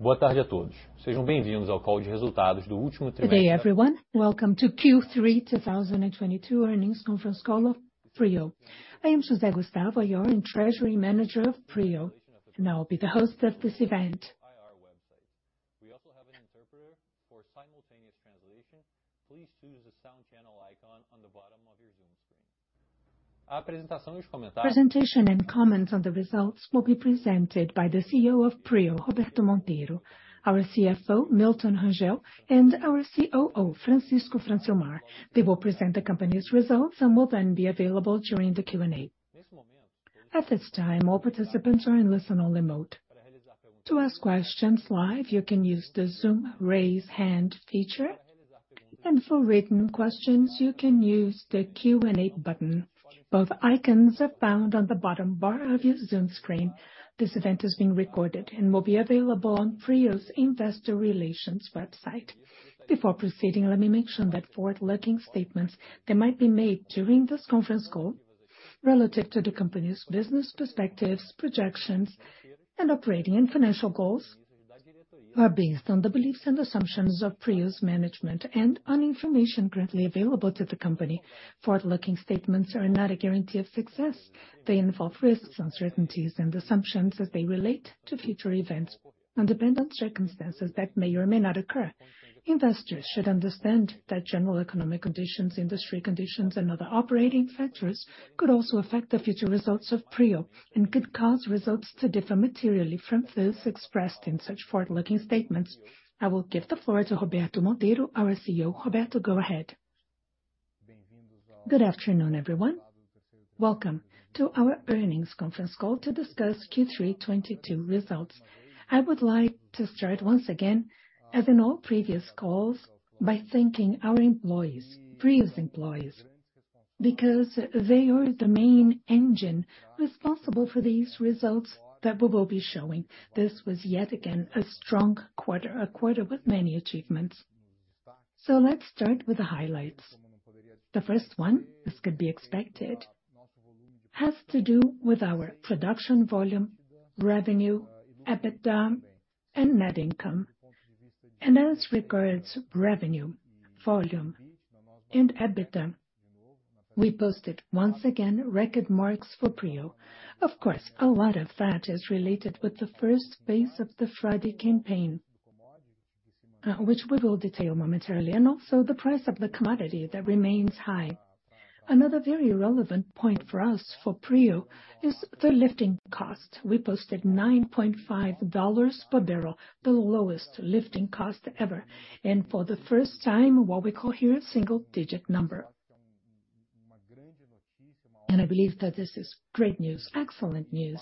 Good day, everyone. Welcome to Q3 2022 Earnings Conference Call of Prio. I am José Gustavo, your Treasury Manager of Prio, and I'll be the host of this event. We also have an interpreter for simultaneous translation. Please use the sound channel icon on the bottom of your Zoom screen. Presentation and comments on the results will be presented by the CEO of Prio, Roberto Monteiro. Our CFO, Milton Rangel, and our COO, Francisco Francilmar. They will present the company's results and will then be available during the Q&A. At this time, all participants are in listen-only mode. To ask questions live, you can use the Zoom raise hand feature, and for written questions, you can use the Q&A button. Both icons are found on the bottom bar of your Zoom screen. This event is being recorded and will be available on Prio's Investor Relations website. Before proceeding, let me mention that forward-looking statements that might be made during this conference call relative to the company's business perspectives, projections, and operating and financial goals are based on the beliefs and assumptions of Prio's management and on information currently available to the company. Forward-looking statements are not a guarantee of success. They involve risks, uncertainties and assumptions as they relate to future events and depend on circumstances that may or may not occur. Investors should understand that general economic conditions, industry conditions, and other operating factors could also affect the future results of Prio and could cause results to differ materially from those expressed in such forward-looking statements. I will give the floor to Roberto Monteiro, our CEO. Roberto, go ahead. Good afternoon, everyone. Welcome to our earnings conference call to discuss Q3 2022 results. I would like to start once again, as in all previous calls, by thanking our employees, Prio's employees, because they are the main engine responsible for these results that we will be showing. This was yet again a strong quarter, a quarter with many achievements. Let's start with the highlights. The first one, as could be expected, has to do with our production volume, revenue, EBITDA, and net income. As regards revenue, volume, and EBITDA, we posted once again record marks for Prio. Of course, a lot of that is related with the first phase of the Frade campaign, which we will detail momentarily, and also the price of the commodity that remains high. Another very relevant point for us, for Prio, is the lifting cost. We posted $9.5 per barrel, the lowest lifting cost ever. For the first time, what we call here a single-digit number. I believe that this is great news, excellent news,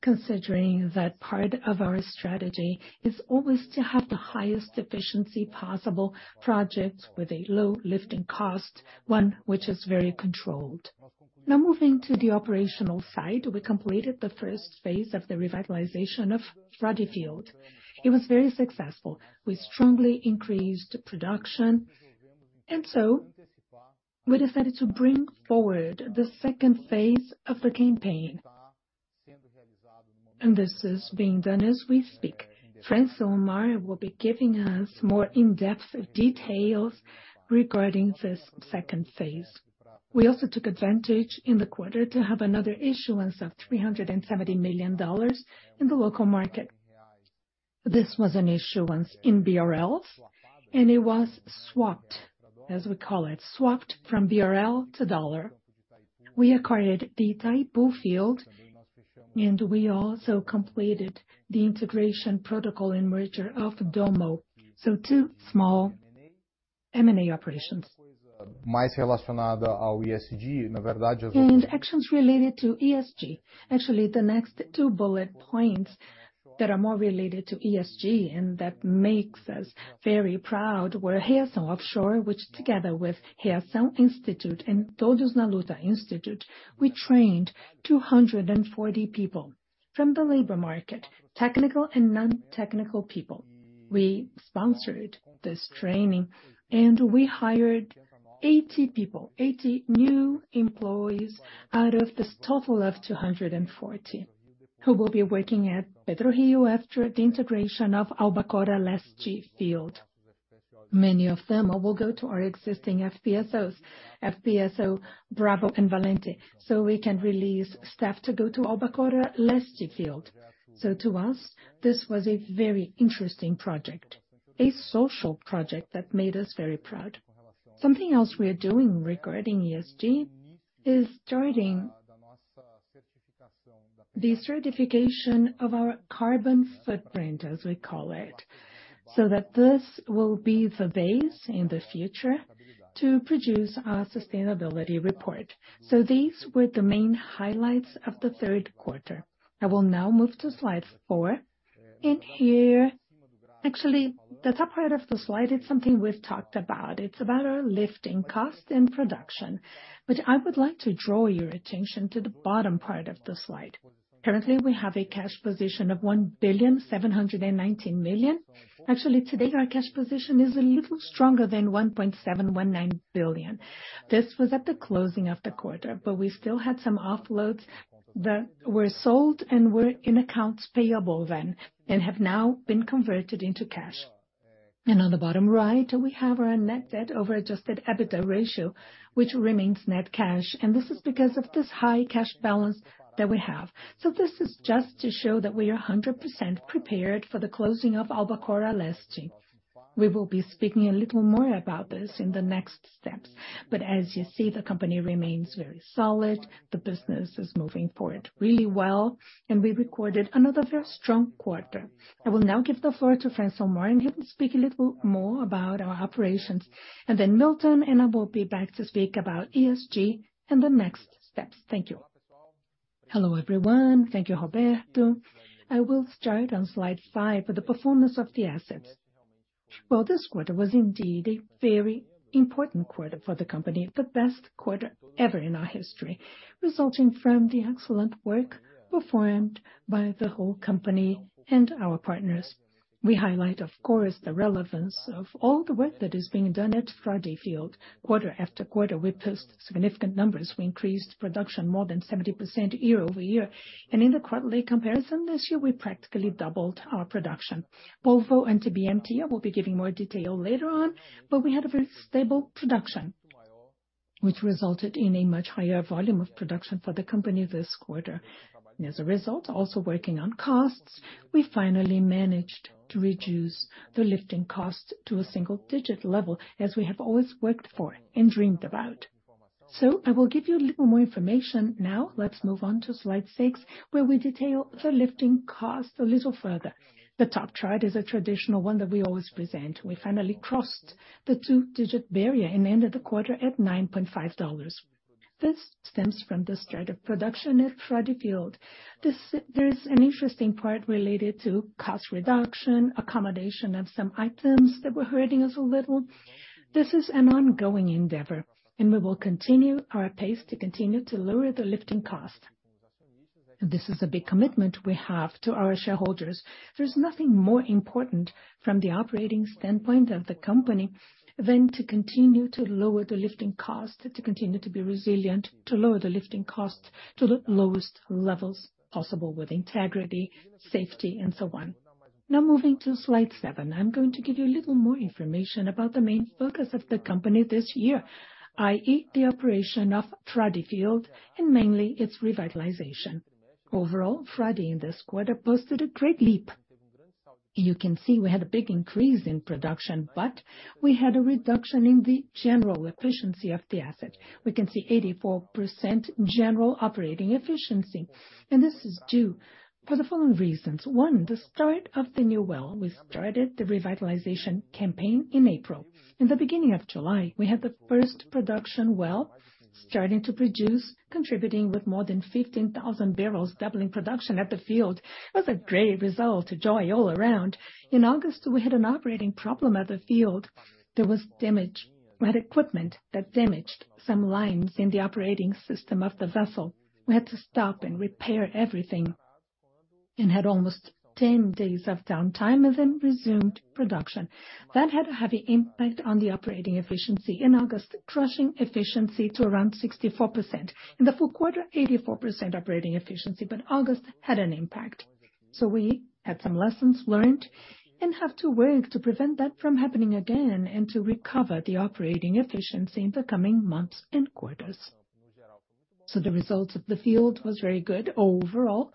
considering that part of our strategy is always to have the highest efficiency possible projects with a low lifting cost, one which is very controlled. Now moving to the operational side, we completed the first phase of the revitalization of Frade field. It was very successful. We strongly increased production. We decided to bring forward the second phase of the campaign. This is being done as we speak. Francilmar will be giving us more in-depth details regarding this second phase. We also took advantage in the quarter to have another issuance of $370 million in the local market. This was an issuance in BRLs, and it was swapped, as we call it, swapped from BRL to dollar. We acquired the Itaipu field, and we also completed the integration protocol and merger of Dommo. Two small M&A operations. Actions related to ESG. Actually, the next two bullet points that are more related to ESG, and that makes us very proud, were Reação Offshore, which together with Instituto Reação and Instituto Todos na Luta, we trained 240 people from the labor market, technical and non-technical people. We sponsored this training, and we hired 80 people, 80 new employees out of this total of 240, who will be working at PetroRio after the integration of Albacora Leste field. Many of them will go to our existing FPSOs, FPSO Bravo and Valente, so we can release staff to go to Albacora Leste field. To us, this was a very interesting project, a social project that made us very proud. Something else we are doing regarding ESG is starting the certification of our carbon footprint, as we call it, so that this will be the base in the future to produce our sustainability report. These were the main highlights of the third quarter. I will now move to slide four. In here, actually, the top part of the slide is something we've talked about. It's about our lifting cost and production. I would like to draw your attention to the bottom part of the slide. Currently, we have a cash position of $1.719 billion. Actually, today, our cash position is a little stronger than $1.719 billion. This was at the closing of the quarter, but we still had some offloads that were sold and were in accounts payable then and have now been converted into cash. On the bottom right, we have our net debt over adjusted EBITDA ratio, which remains net cash. This is because of this high cash balance that we have. This is just to show that we are 100% prepared for the closing of Albacora Leste. We will be speaking a little more about this in the next steps. As you see, the company remains very solid, the business is moving forward really well, and we recorded another very strong quarter. I will now give the floor to Francilmar Fernandes, and he will speak a little more about our operations. Then Milton and I will be back to speak about ESG and the next steps. Thank you. Hello, everyone. Thank you, Roberto. I will start on slide 5 with the performance of the assets. Well, this quarter was indeed a very important quarter for the company, the best quarter ever in our history, resulting from the excellent work performed by the whole company and our partners. We highlight, of course, the relevance of all the work that is being done at Frade field. Quarter after quarter, we post significant numbers. We increased production more than 70% year-over-year. In the quarterly comparison this year, we practically doubled our production. Polvo and TBMT, we'll be giving more detail later on, but we had a very stable production, which resulted in a much higher volume of production for the company this quarter. As a result, also working on costs, we finally managed to reduce the lifting cost to a single digit level, as we have always worked for and dreamed about. I will give you a little more information now. Let's move on to slide 6, where we detail the lifting cost a little further. The top chart is a traditional one that we always present. We finally crossed the 2-digit barrier and ended the quarter at $9.5. This stems from the start of production at Frade field. There is an interesting part related to cost reduction, accommodation of some items that were hurting us a little. This is an ongoing endeavor, and we will continue our pace to lower the lifting cost. This is a big commitment we have to our shareholders. There's nothing more important from the operating standpoint of the company than to continue to lower the lifting cost, to continue to be resilient, to lower the lifting cost to the lowest levels possible with integrity, safety, and so on. Now moving to slide 7. I'm going to give you a little more information about the main focus of the company this year, i.e., the operation of Frade field and mainly its revitalization. Overall, Frade in this quarter posted a great leap. You can see we had a big increase in production, but we had a reduction in the general efficiency of the asset. We can see 84% general operating efficiency, and this is due to the following reasons. One, the start of the new well. We started the revitalization campaign in April. In the beginning of July, we had the first production well starting to produce, contributing with more than 15,000 barrels, doubling production at the field. It was a great result, joy all around. In August, we had an operating problem at the field. There was damage. We had equipment that damaged some lines in the operating system of the vessel. We had to stop and repair everything and had almost 10 days of downtime and then resumed production. That had a heavy impact on the operating efficiency in August, crashing efficiency to around 64%. In the full quarter, 84% operating efficiency, but August had an impact. We had some lessons learned and have to work to prevent that from happening again and to recover the operating efficiency in the coming months and quarters. The results of the field was very good overall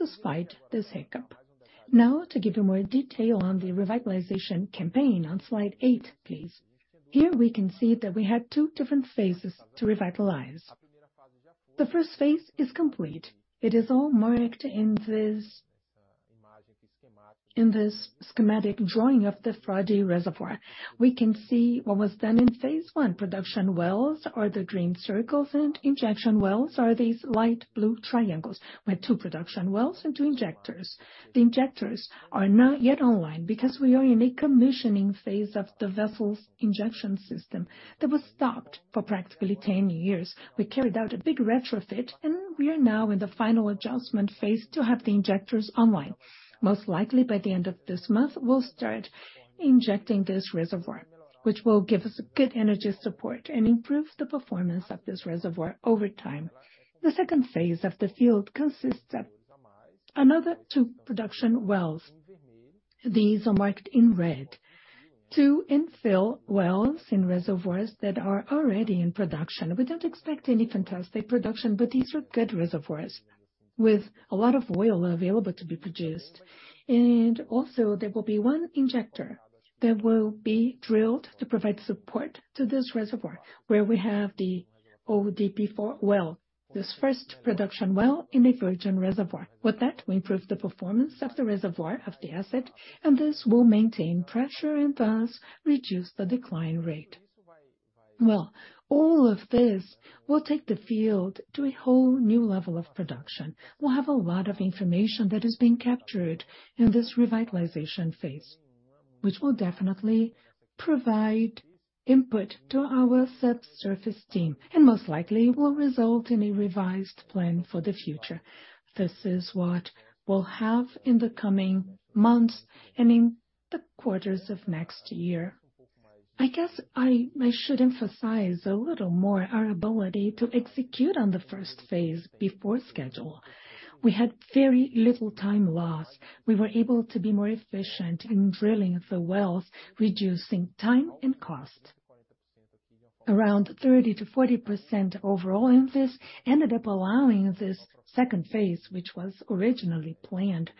despite this hiccup. Now, to give you more detail on the revitalization campaign on slide 8, please. Here we can see that we had two different phases to revitalize. The first phase is complete. It is all marked in this schematic drawing of the Frade reservoir. We can see what was done in phase one. Production wells are the green circles, and injection wells are these light blue triangles. We had two production wells and two injectors. The injectors are not yet online because we are in a commissioning phase of the vessel's injection system that was stopped for practically 10 years. We carried out a big retrofit, and we are now in the final adjustment phase to have the injectors online. Most likely by the end of this month, we'll start injecting this reservoir, which will give us good energy support and improve the performance of this reservoir over time. The second phase of the field consists of another two production wells. These are marked in red. Two infill wells in reservoirs that are already in production. We don't expect any fantastic production, but these are good reservoirs with a lot of oil available to be produced. There will be one injector that will be drilled to provide support to this reservoir, where we have the ODP-4 well, this first production well in a virgin reservoir. With that, we improve the performance of the reservoir of the asset, and this will maintain pressure and thus reduce the decline rate. Well, all of this will take the field to a whole new level of production. We'll have a lot of information that is being captured in this revitalization phase, which will definitely provide input to our subsurface team and most likely will result in a revised plan for the future. This is what we'll have in the coming months and in the quarters of next year. I guess I should emphasize a little more our ability to execute on the first phase before schedule. We had very little time lost. We were able to be more efficient in drilling the wells, reducing time and cost. Around 30%-40% overall in this ended up allowing this second phase, which was originally planned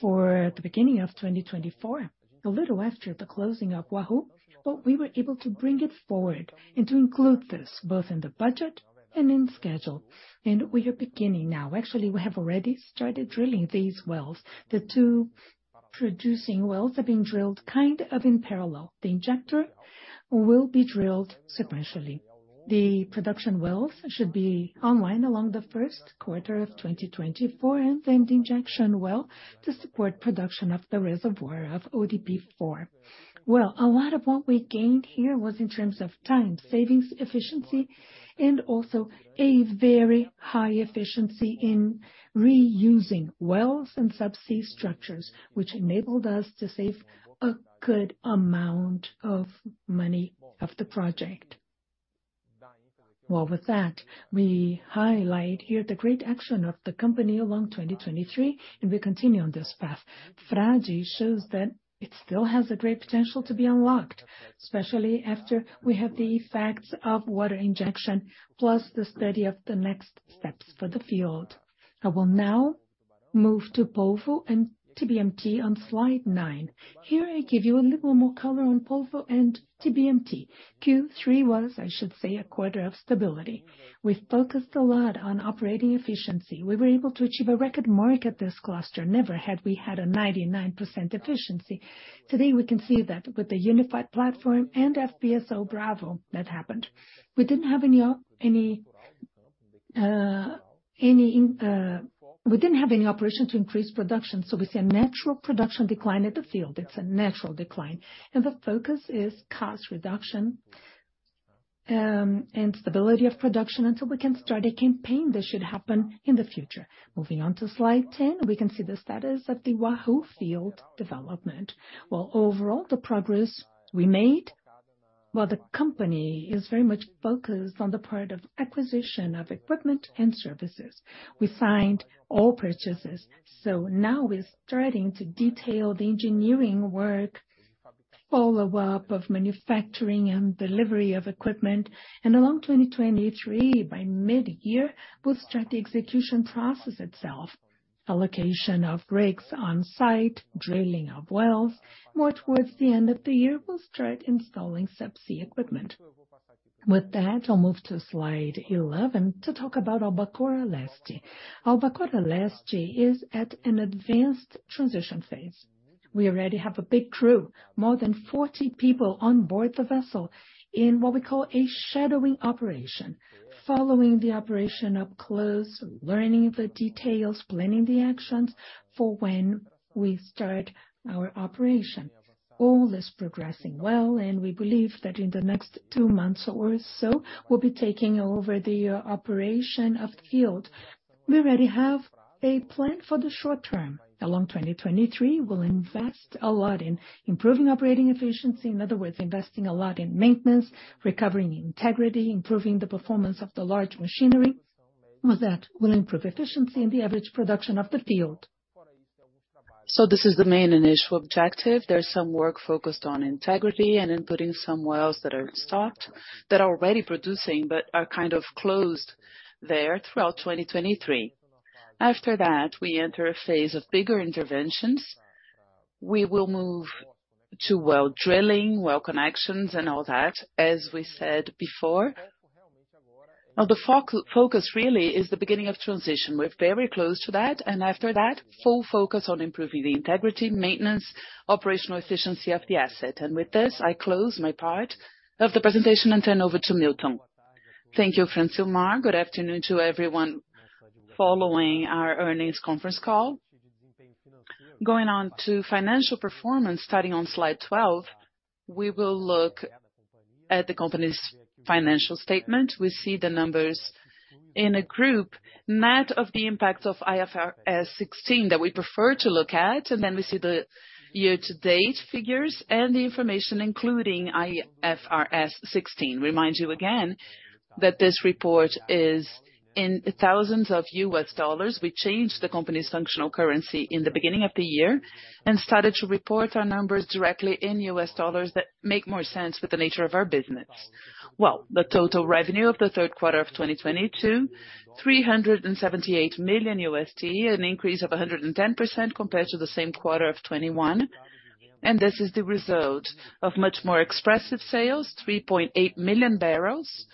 for the beginning of 2024, a little after the closing of Wahoo, but we were able to bring it forward and to include this both in the budget and in schedule. We are beginning now. Actually, we have already started drilling these wells. The two producing wells have been drilled kind of in parallel. The injector will be drilled sequentially. The production wells should be online along the first quarter of 2024, and then the injection well to support production of the reservoir of ODP-4. Well, a lot of what we gained here was in terms of time, savings, efficiency, and also a very high efficiency in reusing wells and subsea structures, which enabled us to save a good amount of money of the project. Well, with that, we highlight here the great action of the company along 2023, and we continue on this path. Frade shows that it still has a great potential to be unlocked, especially after we have the effects of water injection plus the study of the next steps for the field. I will now move to Polvo and TBMT on slide 9. Here, I give you a little more color on Polvo and TBMT. Q3 was, I should say, a quarter of stability. We focused a lot on operating efficiency. We were able to achieve a record mark at this cluster. Never had we had a 99% efficiency. Today, we can see that with the unified platform and FPSO Bravo that happened. We didn't have any operation to increase production, so we see a natural production decline at the field. It's a natural decline. The focus is cost reduction, and stability of production until we can start a campaign that should happen in the future. Moving on to slide 10, we can see the status of the Wahoo field development. Well, overall, the progress we made while the company is very much focused on the part of acquisition of equipment and services. We signed all purchases. Now we're starting to detail the engineering work, follow-up of manufacturing and delivery of equipment. Along 2023, by mid-year, we'll start the execution process itself. Allocation of rigs on site, drilling of wells. More towards the end of the year, we'll start installing subsea equipment. With that, I'll move to slide 11 to talk about Albacora Leste. Albacora Leste is at an advanced transition phase. We already have a big crew, more than 40 people on board the vessel in what we call a shadowing operation, following the operation up close, learning the details, planning the actions for when we start our operation. All is progressing well, and we believe that in the next two months or so, we'll be taking over the operation of the field. We already have a plan for the short term. In 2023, we'll invest a lot in improving operating efficiency, in other words, investing a lot in maintenance, recovering integrity, improving the performance of the large machinery. With that, we'll improve efficiency in the average production of the field. This is the main initial objective. There's some work focused on integrity and in putting some wells that are stopped, that are already producing, but are kind of closed there throughout 2023. After that, we enter a phase of bigger interventions. We will move to well drilling, well connections, and all that, as we said before. Now the focus really is the beginning of transition. We're very close to that. After that, full focus on improving the integrity, maintenance, operational efficiency of the asset. With this, I close my part of the presentation and turn over to Milton. Thank you, Francilmar. Good afternoon to everyone following our earnings conference call. Going on to financial performance, starting on slide 12, we will look at the company's financial statement. We see the numbers in a group, net of the impact of IFRS 16 that we prefer to look at, and then we see the year-to-date figures and the information, including IFRS 16. Remind you again that this report is in thousands of U.S. dollars. We changed the company's functional currency in the beginning of the year and started to report our numbers directly in U.S. dollars that make more sense for the nature of our business. Well, the total revenue of the third quarter of 2022, $378 million, an increase of 110% compared to the same quarter of 2021. This is the result of much more expressive sales, 3.8 million barrels,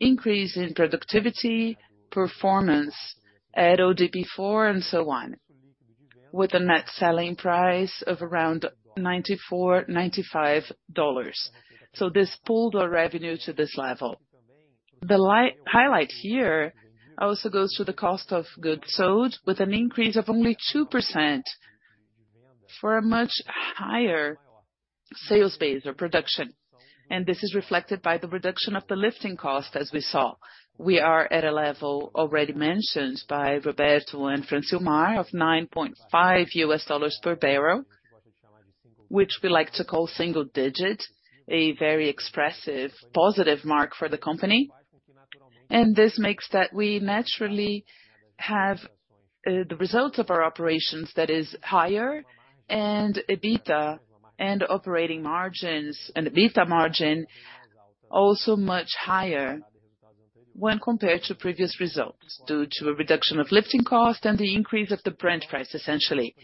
increase in productivity, performance at ODP4, and so on, with a net selling price of around $94-$95. This pulled our revenue to this level. The highlight here also goes to the cost of goods sold with an increase of only 2% for a much higher sales base or production. This is reflected by the reduction of the lifting cost, as we saw. We are at a level already mentioned by Roberto and Francimar of $9.5 per barrel. Which we like to call single digit, a very expressive positive mark for the company. This makes that we naturally have the results of our operations that is higher and EBITDA and operating margins and EBITDA margin also much higher when compared to previous results due to a reduction of lifting costs and the increase of the Brent price, essentially.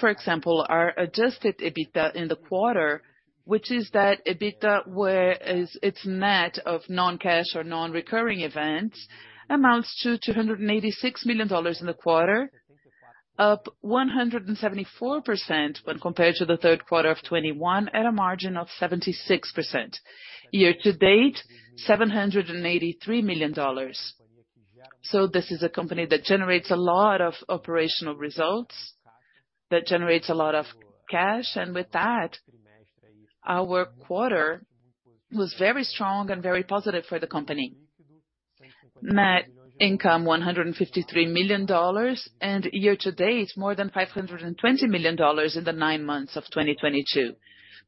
For example, our adjusted EBITDA in the quarter, which is that EBITDA, which is net of non-cash or non-recurring events, amounts to $286 million in the quarter, up 174% when compared to the third quarter of 2021 at a margin of 76%. Year to date, $783 million. This is a company that generates a lot of operational results, that generates a lot of cash, and with that, our quarter was very strong and very positive for the company. Net income, $153 million, and year to date, more than $520 million in the nine months of 2022.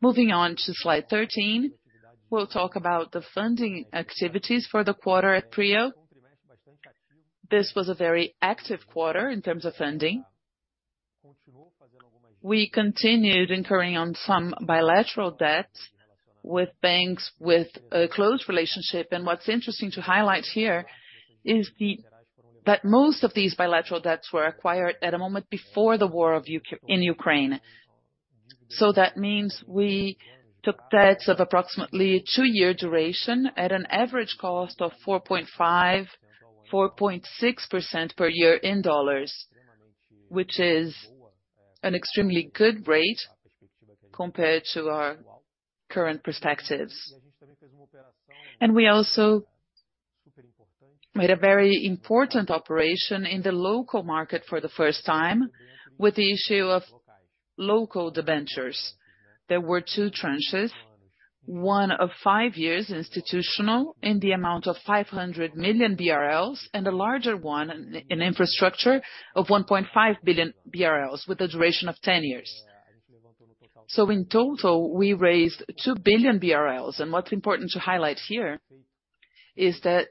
Moving on to slide 13, we'll talk about the funding activities for the quarter at Prio. This was a very active quarter in terms of funding. We continued incurring on some bilateral debts with banks with a close relationship. What's interesting to highlight here is that most of these bilateral debts were acquired at a moment before the war in Ukraine. That means we took debts of approximately 2-year duration at an average cost of 4.5-4.6% per year in dollars, which is an extremely good rate compared to our current perspectives. We also made a very important operation in the local market for the first time with the issue of local debentures. There were two tranches, one of 5 years institutional in the amount of 500 million BRL, and a larger one in infrastructure of 1.5 billion BRL with a duration of 10 years. In total, we raised 2 billion BRL. What's important to highlight here is that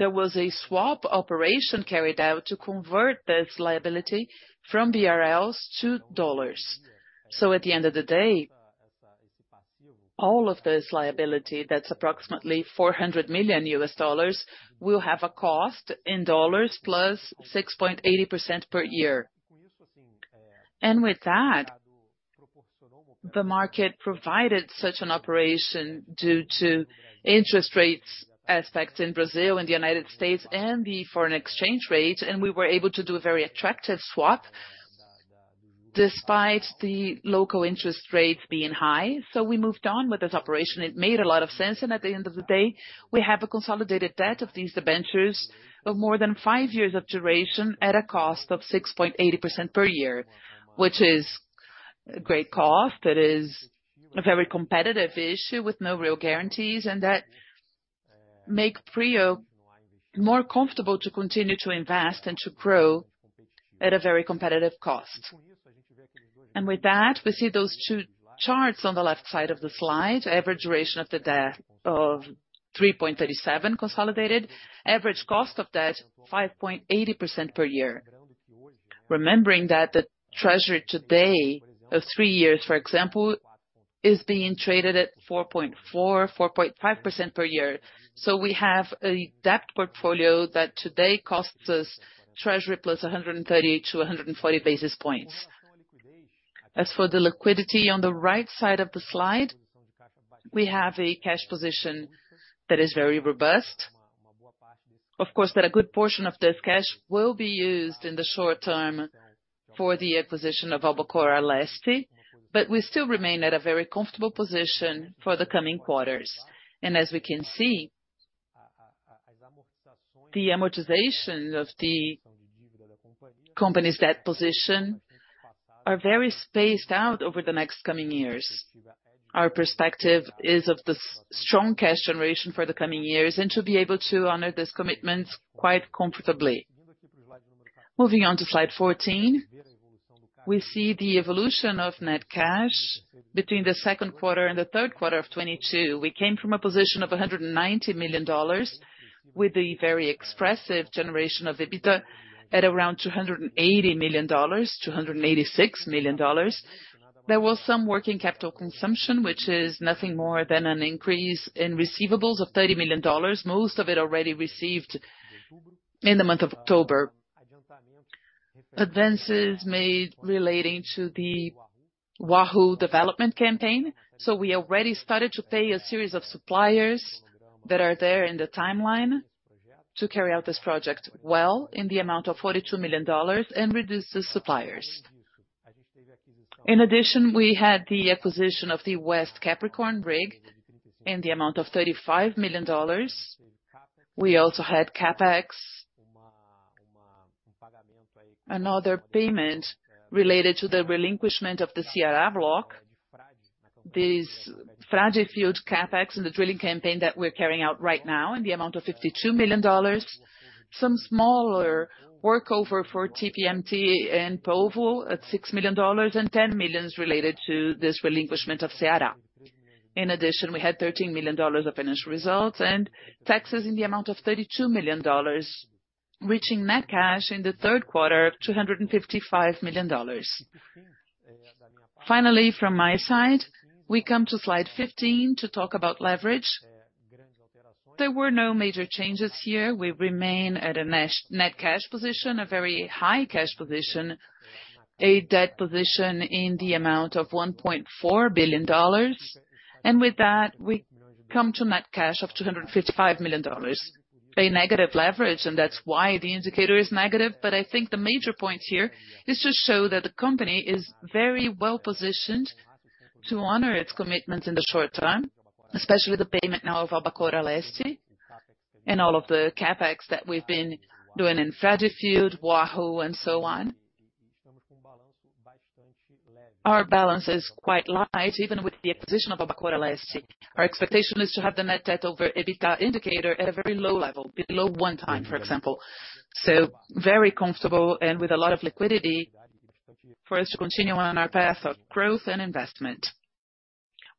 there was a swap operation carried out to convert this liability from BRL to dollars. At the end of the day, all of this liability, that's approximately $400 million U.S. Dollars, will have a cost in dollars plus 6.80% per year. With that, the market provided such an operation due to interest rates aspects in Brazil and the United States and the foreign exchange rate, and we were able to do a very attractive swap despite the local interest rates being high. We moved on with this operation. It made a lot of sense. At the end of the day, we have a consolidated debt of these debentures of more than five years of duration at a cost of 6.80% per year, which is great cost. That is a very competitive issue with no real guarantees, and that make Prio more comfortable to continue to invest and to grow at a very competitive cost. With that, we see those two charts on the left side of the slide. Average duration of the debt of 3.37 consolidated. Average cost of debt, 5.80% per year. Remembering that the US Treasury today of three years, for example, is being traded at 4.4-4.5% per year. We have a debt portfolio that today costs us US Treasury plus 130 to 140 basis points. As for the liquidity on the right side of the slide, we have a cash position that is very robust. Of course, that a good portion of this cash will be used in the short term for the acquisition of Albacora Leste, but we still remain at a very comfortable position for the coming quarters. As we can see, the amortization of the company's debt position are very spaced out over the next coming years. Our perspective is of the strong cash generation for the coming years and to be able to honor these commitments quite comfortably. Moving on to slide 14, we see the evolution of net cash between the second quarter and the third quarter of 2022. We came from a position of $190 million with a very expressive generation of EBITDA at around $280 million, $286 million. There was some working capital consumption, which is nothing more than an increase in receivables of $30 million, most of it already received in the month of October. Advances made relating to the Wahoo development campaign. We already started to pay a series of suppliers that are there in the timeline to carry out this project well in the amount of $42 million and reduce the suppliers. In addition, we had the acquisition of the West Capricorn rig in the amount of $35 million. We also had CapEx. Another payment related to the relinquishment of the Ceará block. This Frade field CapEx and the drilling campaign that we're carrying out right now in the amount of $52 million. Some smaller work over for TBMT and Polvo at $6 million and $10 million related to this relinquishment of Ceará. In addition, we had $13 million of financial results and taxes in the amount of $32 million, reaching net cash in the third quarter, $255 million. Finally, from my side, we come to slide 15 to talk about leverage. There were no major changes here. We remain at a net cash position, a very high cash position, a debt position in the amount of $1.4 billion. With that, we come to net cash of $255 million. A negative leverage, and that's why the indicator is negative. I think the major point here is to show that the company is very well-positioned to honor its commitments in the short term, especially the payment now of Albacora Leste and all of the CapEx that we've been doing in Frade field, Wahoo, and so on. Our balance is quite light, even with the acquisition of Albacora Leste. Our expectation is to have the net debt over EBITDA indicator at a very low level, below 1x, for example. Very comfortable and with a lot of liquidity for us to continue on our path of growth and investment.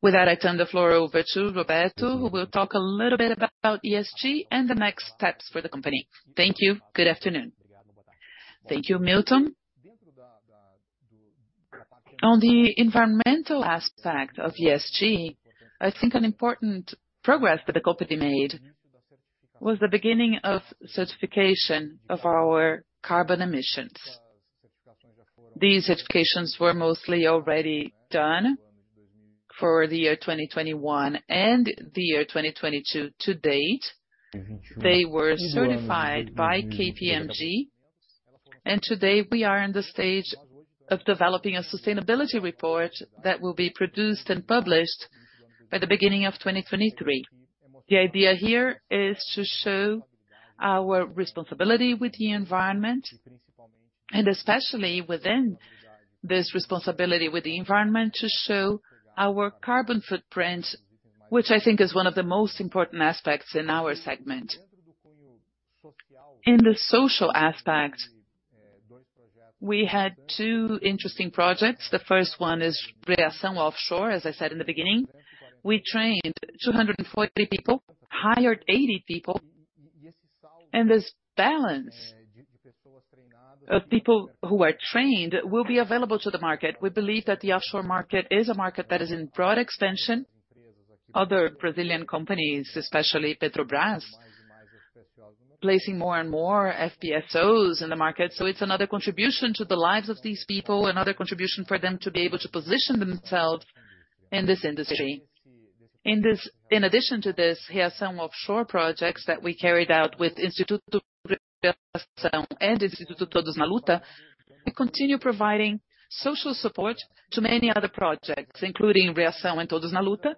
With that, I turn the floor over to Roberto, who will talk a little bit about ESG and the next steps for the company. Thank you. Good afternoon. Thank you, Milton. On the environmental aspect of ESG, I think an important progress that the company made was the beginning of certification of our carbon emissions. These certifications were mostly already done for the year 2021 and the year 2022 to date. They were certified by KPMG, and today we are in the stage of developing a sustainability report that will be produced and published by the beginning of 2023. The idea here is to show our responsibility with the environment, and especially within this responsibility with the environment to show our carbon footprint, which I think is one of the most important aspects in our segment. In the social aspect, we had two interesting projects. The first one is Reação Offshore, as I said in the beginning. We trained 240 people, hired 80 people, and this balance of people who are trained will be available to the market. We believe that the offshore market is a market that is in broad extension. Other Brazilian companies, especially Petrobras, placing more and more FPSOs in the market. It's another contribution to the lives of these people, another contribution for them to be able to position themselves in this industry. In addition to this, Reação Offshore projects that we carried out with Instituto Reação and Instituto Todos na Luta, we continue providing social support to many other projects, including Reação and Todos na Luta.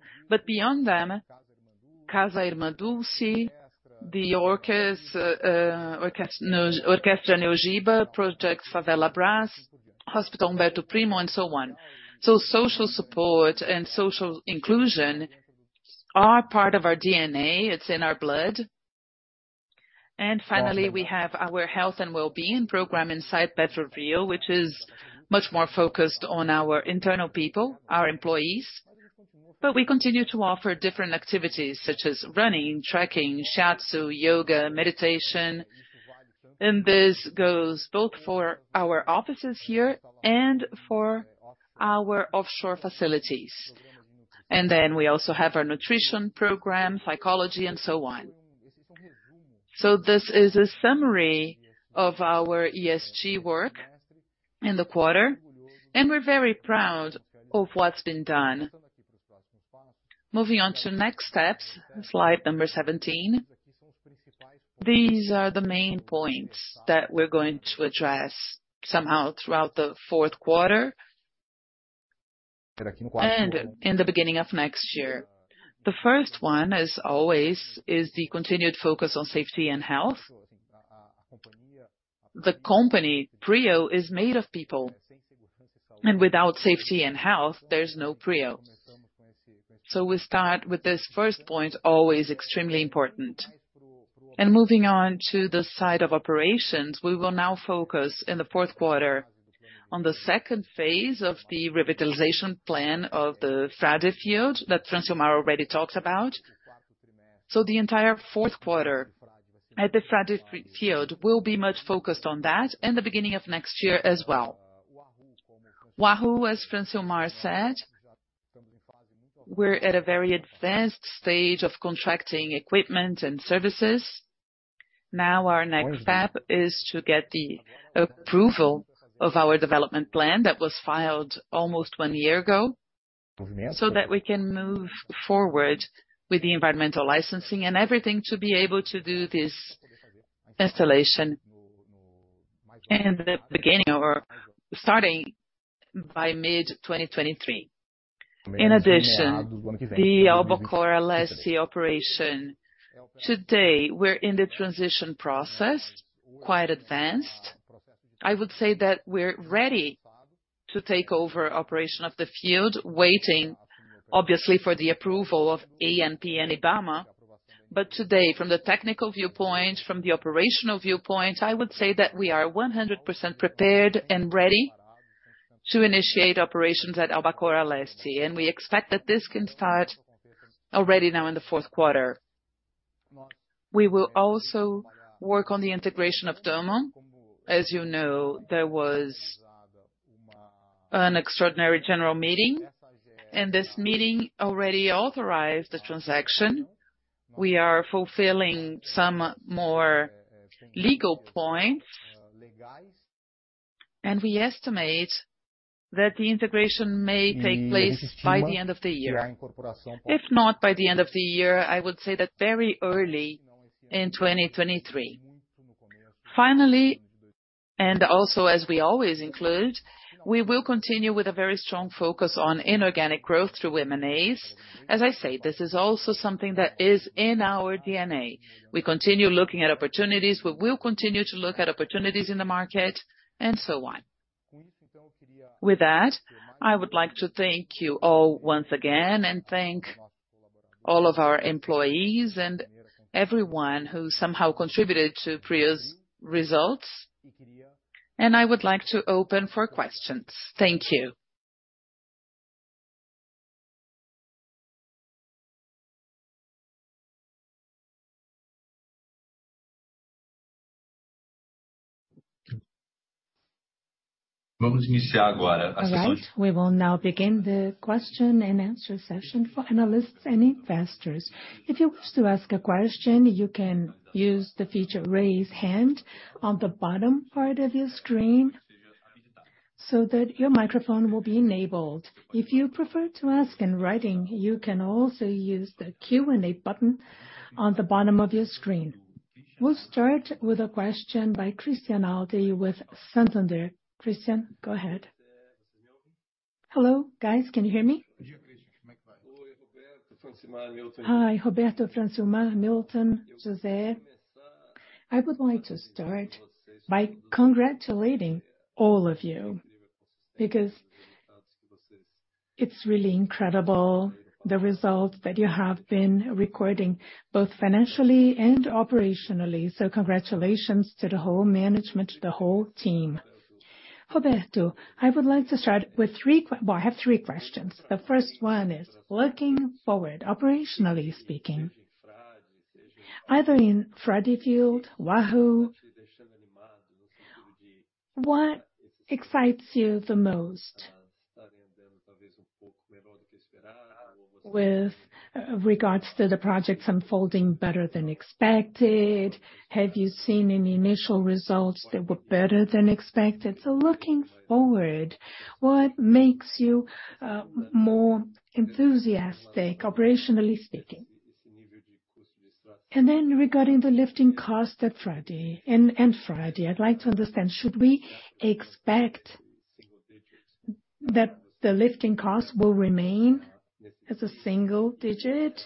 Beyond them, Casa Irmã Dulce, the Orquestra NEOJIBA, Projeto Favela 3D, Hospital Umberto Primo, and so on. Social support and social inclusion are part of our DNA. It's in our blood. Finally, we have our health and well-being program inside PetroRio, which is much more focused on our internal people, our employees. We continue to offer different activities such as running, trekking, shiatsu, yoga, meditation. This goes both for our offices here and for our offshore facilities. We also have our nutrition program, psychology, and so on. This is a summary of our ESG work in the quarter, and we're very proud of what's been done. Moving on to next steps, slide number 17. These are the main points that we're going to address somehow throughout the fourth quarter and in the beginning of next year. The first one, as always, is the continued focus on safety and health. The company, Prio, is made of people, and without safety and health, there's no Prio. We start with this first point, always extremely important. Moving on to the side of operations, we will now focus in the fourth quarter on the second phase of the revitalization plan of the Frade field that Francilmar already talked about. The entire fourth quarter at the Frade field will be much focused on that and the beginning of next year as well. Wahoo, as Francilmar said, we're at a very advanced stage of contracting equipment and services. Now, our next step is to get the approval of our development plan that was filed almost one year ago, so that we can move forward with the environmental licensing and everything to be able to do this installation in the beginning or starting by mid-2023. In addition, the Albacora Leste operation. Today, we're in the transition process, quite advanced. I would say that we're ready to take over operation of the field, waiting obviously for the approval of ANP and IBAMA. Today, from the technical viewpoint, from the operational viewpoint, I would say that we are 100% prepared and ready to initiate operations at Albacora Leste, and we expect that this can start already now in the fourth quarter. We will also work on the integration of Tamoio. As you know, there was an extraordinary general meeting, and this meeting already authorized the transaction. We are fulfilling some more legal points, and we estimate that the integration may take place by the end of the year. If not by the end of the year, I would say that very early in 2023. Finally, and also as we always include, we will continue with a very strong focus on inorganic growth through M&As. As I say, this is also something that is in our DNA. We continue looking at opportunities. We will continue to look at opportunities in the market, and so on. With that, I would like to thank you all once again and thank all of our employees and everyone who somehow contributed to Prio's results, and I would like to open for questions. Thank you. All right. We will now begin the question and answer session for analysts and investors. If you wish to ask a question, you can use the feature Raise Hand on the bottom part of your screen so that your microphone will be enabled. If you prefer to ask in writing, you can also use the Q&A button on the bottom of your screen. We'll start with a question by Christian Audi with Santander. Christian, go ahead. Hello, guys. Can you hear me? Hi, Roberto, Francilmar, Milton, José. I would like to start by congratulating all of you because it's really incredible the results that you have been recording both financially and operationally. Congratulations to the whole management, the whole team. Roberto, I would like to start with three questions. The first one is looking forward, operationally speaking, either in Frade field, Wahoo, what excites you the most with regards to the projects unfolding better than expected? Have you seen any initial results that were better than expected? Looking forward, what makes you more enthusiastic, operationally speaking? Then regarding the lifting cost at Frade, in Frade, I'd like to understand, should we expect that the lifting costs will remain as a single digit?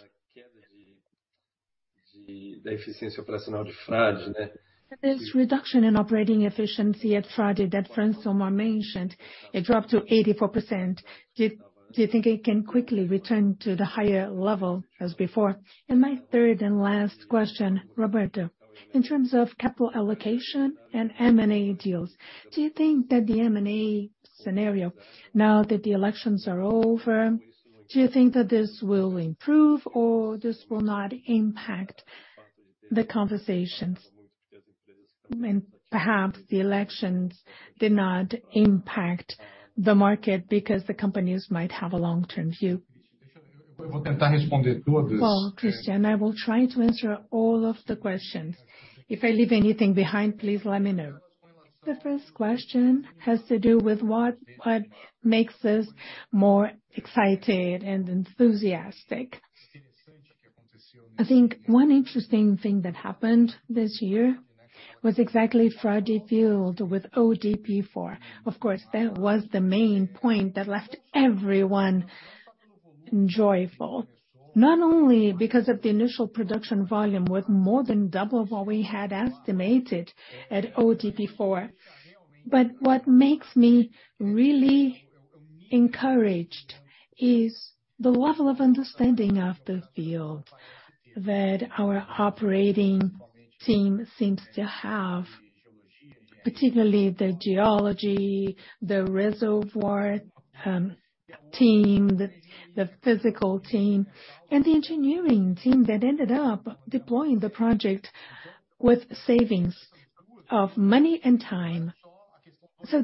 This reduction in operating efficiency at Frade that Francilmar mentioned, it dropped to 84%. Do you think it can quickly return to the higher level as before? My third and last question, Roberto, in terms of capital allocation and M&A deals, do you think that the M&A scenario, now that the elections are over, do you think that this will improve or this will not impact the conversations when perhaps the elections did not impact the market because the companies might have a long-term view? Well, Christian, I will try to answer all of the questions. If I leave anything behind, please let me know. The first question has to do with what makes us more excited and enthusiastic. I think one interesting thing that happened this year was exactly Frade field with ODP-4. Of course, that was the main point that left everyone joyful, not only because of the initial production volume with more than double what we had estimated at ODP4. What makes me really encouraged is the level of understanding of the field that our operating team seems to have, particularly the geology, the reservoir team, the physical team, and the engineering team that ended up deploying the project with savings of money and time.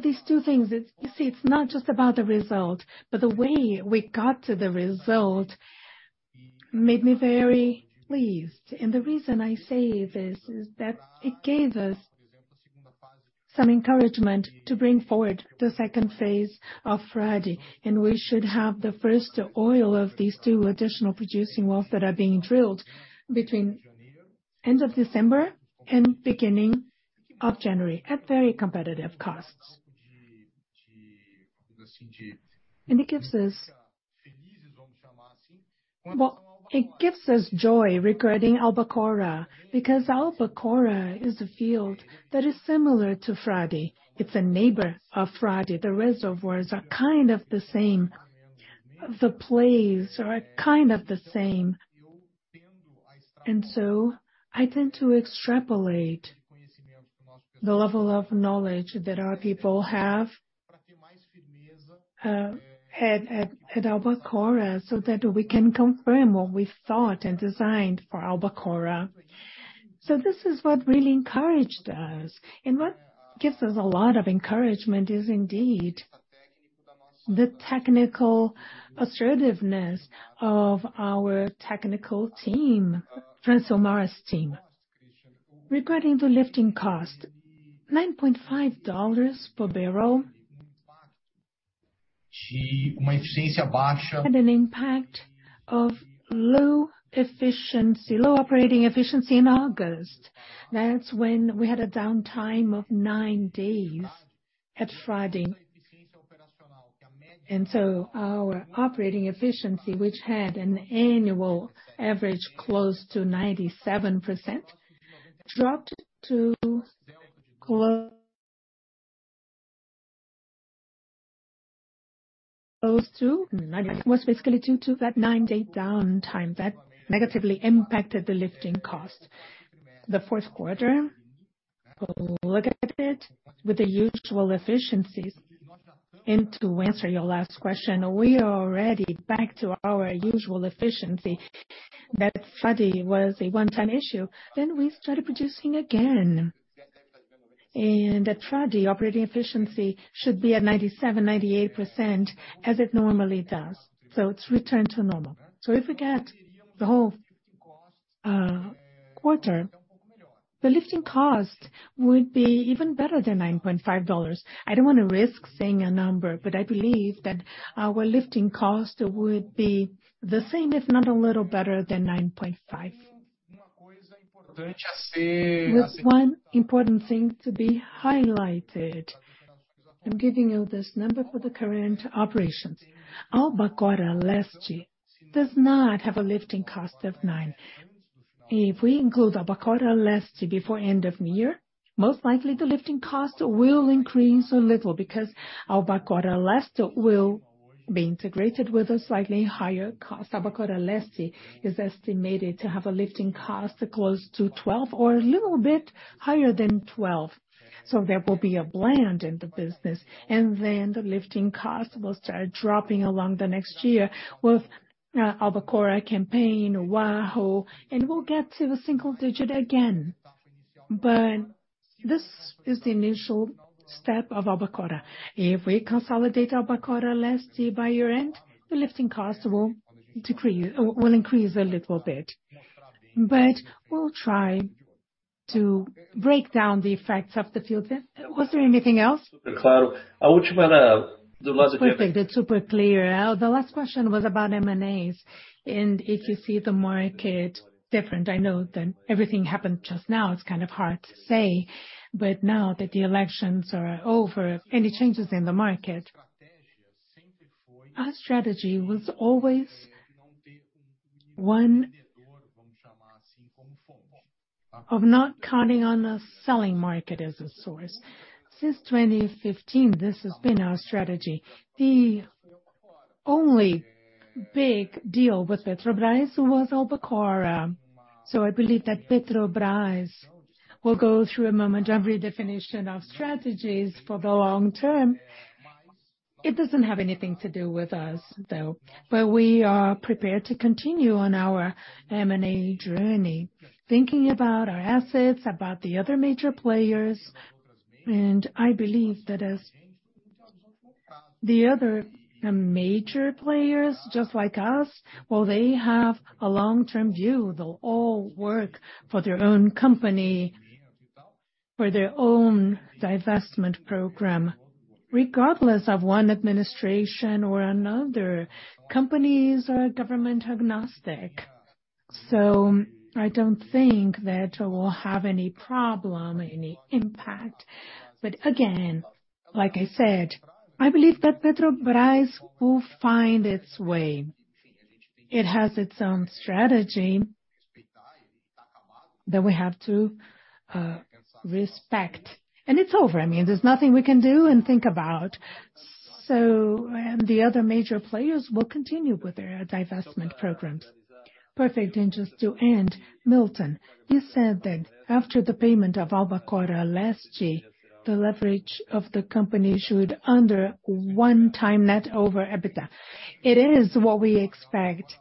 These two things, it's, you see, it's not just about the result, but the way we got to the result made me very pleased. The reason I say this is that it gave us some encouragement to bring forward the second phase of Frade, and we should have the first oil of these two additional producing wells that are being drilled between end of December and beginning of January at very competitive costs. It gives us. Well, it gives us joy regarding Albacora, because Albacora is a field that is similar to Frade. It's a neighbor of Frade. The reservoirs are kind of the same. The plays are kind of the same. I tend to extrapolate the level of knowledge that our people have at Albacora, so that we can confirm what we thought and designed for Albacora. This is what really encouraged us. What gives us a lot of encouragement is indeed the technical assertiveness of our technical team, Francilmar Fernandes team. Regarding the lifting cost, $9.5 per barrel had an impact of low efficiency, low operating efficiency in August. That's when we had a downtime of nine days at Frade. Our operating efficiency, which had an annual average close to 97%, dropped to close to 90. It was basically due to that nine-day downtime that negatively impacted the lifting cost. The fourth quarter, we'll look at it with the usual efficiencies. To answer your last question, we are already back to our usual efficiency, that Frade was a one-time issue. We started producing again. At Frade, operating efficiency should be at 97%-98% as it normally does. It's returned to normal. If we get the whole quarter, the lifting cost would be even better than $9.5. I don't wanna risk saying a number, but I believe that our lifting cost would be the same, if not a little better than $9.5. With one important thing to be highlighted. I'm giving you this number for the current operations. Albacora Leste does not have a lifting cost of $9. If we include Albacora Leste before end of year, most likely the lifting cost will increase a little because Albacora Leste will be integrated with a slightly higher cost. Albacora Leste is estimated to have a lifting cost close to $12 or a little bit higher than $12. There will be a blend in the business, and then the lifting cost will start dropping along the next year with Albacora campaign, Wahoo, and we'll get to the single digit again. This is the initial step of Albacora. If we consolidate Albacora Leste by year-end, the lifting cost will increase a little bit. We'll try to break down the effects of the field there. Was there anything else? Perfect. It's super clear. The last question was about M&As, and if you see the market different. I know that everything happened just now, it's kind of hard to say. Now that the elections are over, any changes in the market. Our strategy was always one of not counting on a selling market as a source. Since 2015, this has been our strategy. The only big deal with Petrobras was Albacora. I believe that Petrobras will go through a moment of redefinition of strategies for the long term. It doesn't have anything to do with us, though. We are prepared to continue on our M&A journey, thinking about our assets, about the other major players. I believe that as the other major players, just like us, well, they have a long-term view. They'll all work for their own company, for their own divestment program, regardless of one administration or another. Companies are government-agnostic. I don't think that we'll have any problem, any impact. Like I said, I believe that Petrobras will find its way. It has its own strategy that we have to respect. It's over. I mean, there's nothing we can do and think about. The other major players will continue with their divestment programs. Perfect. Just to end, Milton, you said that after the payment of Albacora Leste, the leverage of the company should under one times net debt over EBITDA. It is what we expect.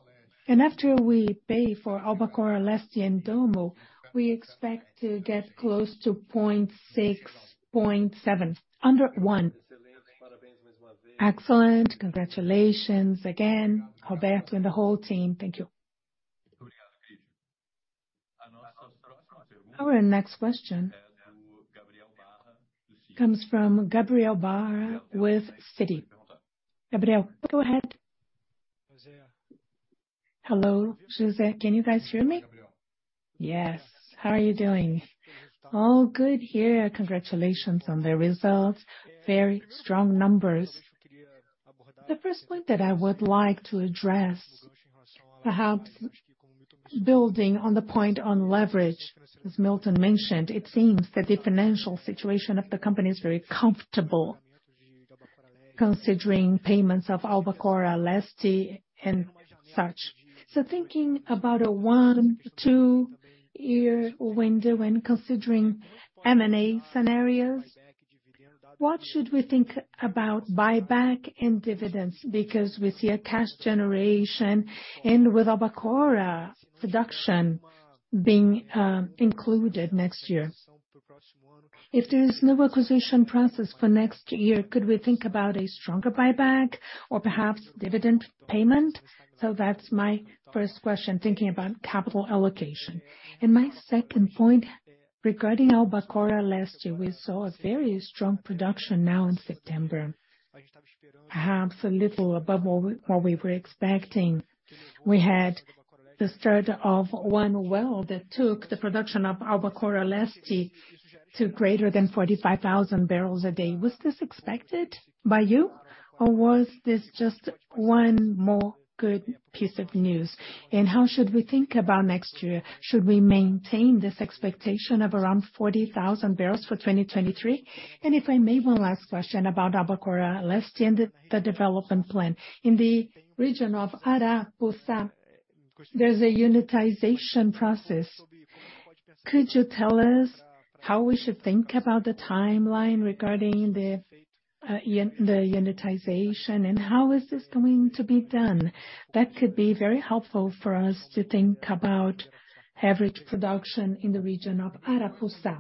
After we pay for Albacora Leste and Dommo, we expect to get close to 0.6, 0.7, under 1. Excellent. Congratulations again, Roberto and the whole team. Thank you. Our next question comes from Gabriel Barra with Citi. Gabriel, go ahead. Hello, José. Can you guys hear me? Yes. How are you doing? Oh, good here. Congratulations on the results. Very strong numbers. The first point that I would like to address, perhaps building on the point on leverage, as Milton mentioned, it seems that the financial situation of the company is very comfortable considering payments of Albacora Leste and such. Thinking about a 1-2 year window when considering M&A scenarios, what should we think about buyback and dividends? Because we see a cash generation and with Albacora Leste production being included next year. If there is no acquisition process for next year, could we think about a stronger buyback or perhaps dividend payment? That's my first question, thinking about capital allocation. My second point regarding Albacora Leste, we saw a very strong production now in September, perhaps a little above what we were expecting. We had the start of one well that took the production of Albacora Leste to greater than 45,000 barrels a day. Was this expected by you, or was this just one more good piece of news? How should we think about next year? Should we maintain this expectation of around 40,000 barrels for 2023? If I may, one last question about Albacora Leste and the development plan. In the region of Arapuça, there's a unitization process. Could you tell us how we should think about the timeline regarding the unitization, and how is this going to be done? That could be very helpful for us to think about average production in the region of Arapuça.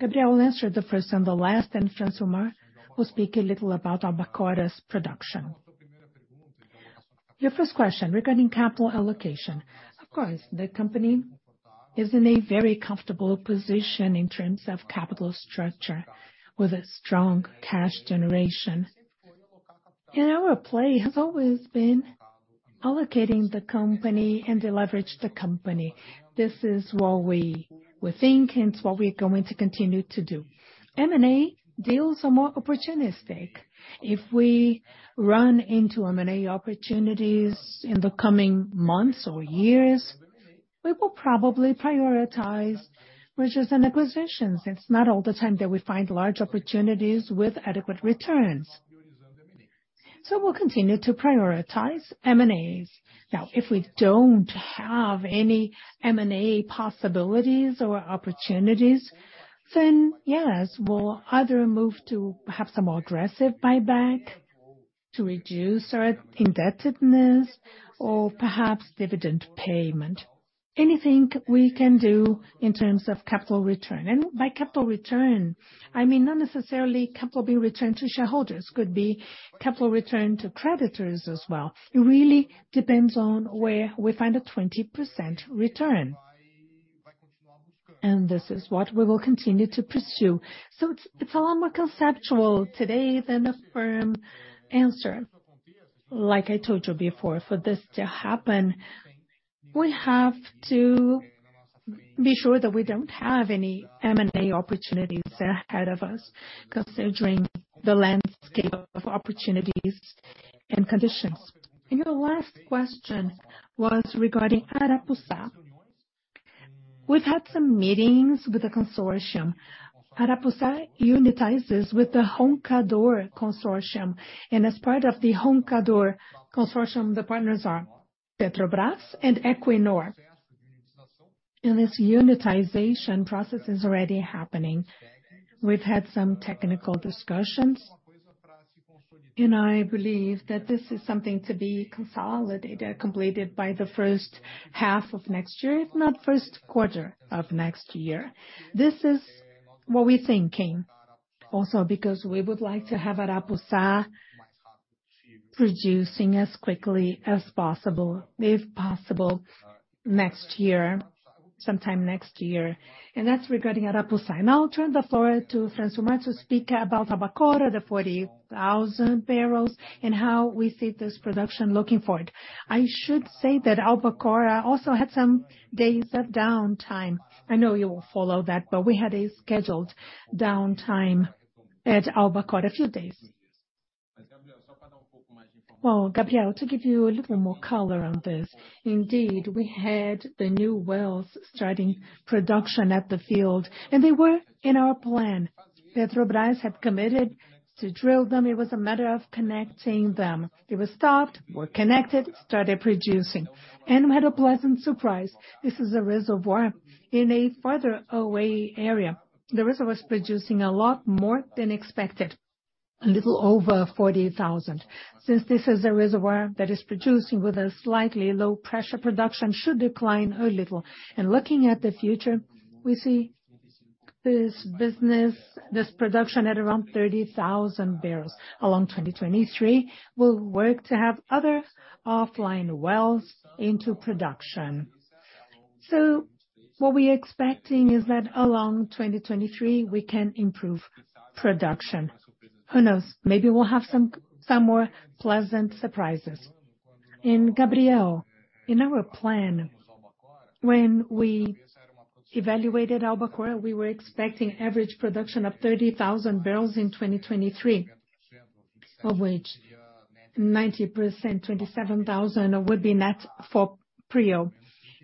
Gabriel Barra will answer the first and the last, and Francilmar Fernandes will speak a little about Albacora's production. Your first question regarding capital allocation. Of course, the company is in a very comfortable position in terms of capital structure with a strong cash generation. Our play has always been allocating the company and deleveraging the company. This is what we think, and it's what we're going to continue to do. M&A deals are more opportunistic. If we run into M&A opportunities in the coming months or years, we will probably prioritize mergers and acquisitions. It's not all the time that we find large opportunities with adequate returns. We'll continue to prioritize M&As. Now, if we don't have any M&A possibilities or opportunities, then yes, we'll either move to perhaps a more aggressive buyback to reduce our indebtedness or perhaps dividend payment. Anything we can do in terms of capital return. By capital return, I mean not necessarily capital being returned to shareholders. Could be capital return to creditors as well. It really depends on where we find a 20% return. This is what we will continue to pursue. It's a lot more conceptual today than a firm answer. Like I told you before, for this to happen, we have to be sure that we don't have any M&A opportunities ahead of us, considering the landscape of opportunities and conditions. Your last question was regarding Arapuça. We've had some meetings with the consortium. Arapuça unitizes with the Roncador consortium, and as part of the Roncador consortium, the partners are Petrobras and Equinor. This unitization process is already happening. We've had some technical discussions, and I believe that this is something to be consolidated, completed by the first half of next year, if not first quarter of next year. This is what we're thinking also because we would like to have Arapuça producing as quickly as possible, if possible, next year, sometime next year. That's regarding Arapuça. I'll turn the floor to Francilmar to speak about Albacora, the 40,000 barrels, and how we see this production looking forward. I should say that Albacora also had some days of downtime. I know you will follow that, but we had a scheduled downtime at Albacora, a few days. Well, Gabriel Barra, to give you a little more color on this. Indeed, we had the new wells starting production at the field, and they were in our plan. Petrobras had committed to drill them. It was a matter of connecting them. They were stopped, were connected, started producing, and we had a pleasant surprise. This is a reservoir in a further away area. The reservoir is producing a lot more than expected, a little over 40,000. Since this is a reservoir that is producing with a slightly low pressure, production should decline a little. Looking at the future, we see this business, this production at around 30,000 barrels. Along 2023, we'll work to have other offline wells into production. What we're expecting is that along 2023 we can improve production. Who knows, maybe we'll have some more pleasant surprises. Gabriel, in our plan, when we evaluated Albacora, we were expecting average production of 30,000 barrels in 2023, of which 90%, 27,000 would be net for Prio.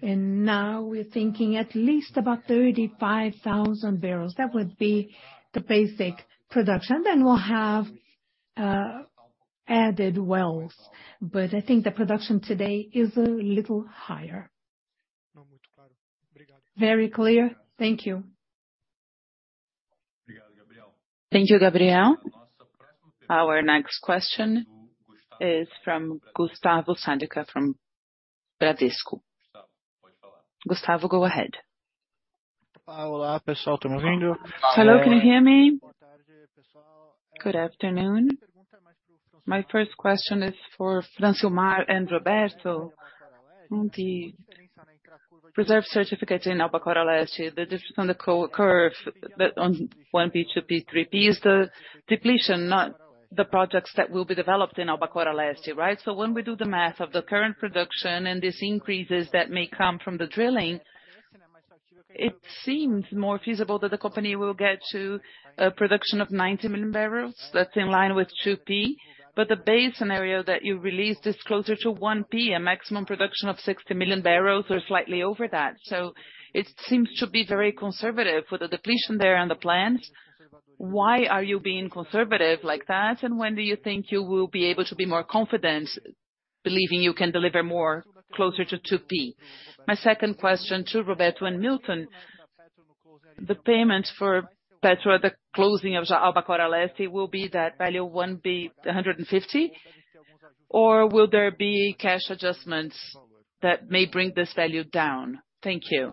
Now we're thinking at least about 35,000 barrels. That would be the basic production. We'll have added wells. I think the production today is a little higher. Very clear. Thank you. Thank you, Gabriel. Our next question is from Gustavo Sadka from Bradesco. Gustavo, go ahead. Hello, can you hear me? Good afternoon. My first question is for Francilmar and Roberto. On the reserve certificates in Albacora Leste, the distance on the curve, on 1P, 2P, 3P is the depletion, not the projects that will be developed in Albacora Leste, right? When we do the math of the current production and these increases that may come from the drilling, it seems more feasible that the company will get to a production of 90 million barrels. That's in line with 2P. The base scenario that you released is closer to 1P, a maximum production of 60 million barrels or slightly over that. It seems to be very conservative with the depletion there and the plans. Why are you being conservative like that? When do you think you will be able to be more confident, believing you can deliver more closer to 2P? My second question to Roberto and Milton, the payment for Petrobras at the closing of Albacora Leste will be that value $1.15 billion, or will there be cash adjustments that may bring this value down? Thank you.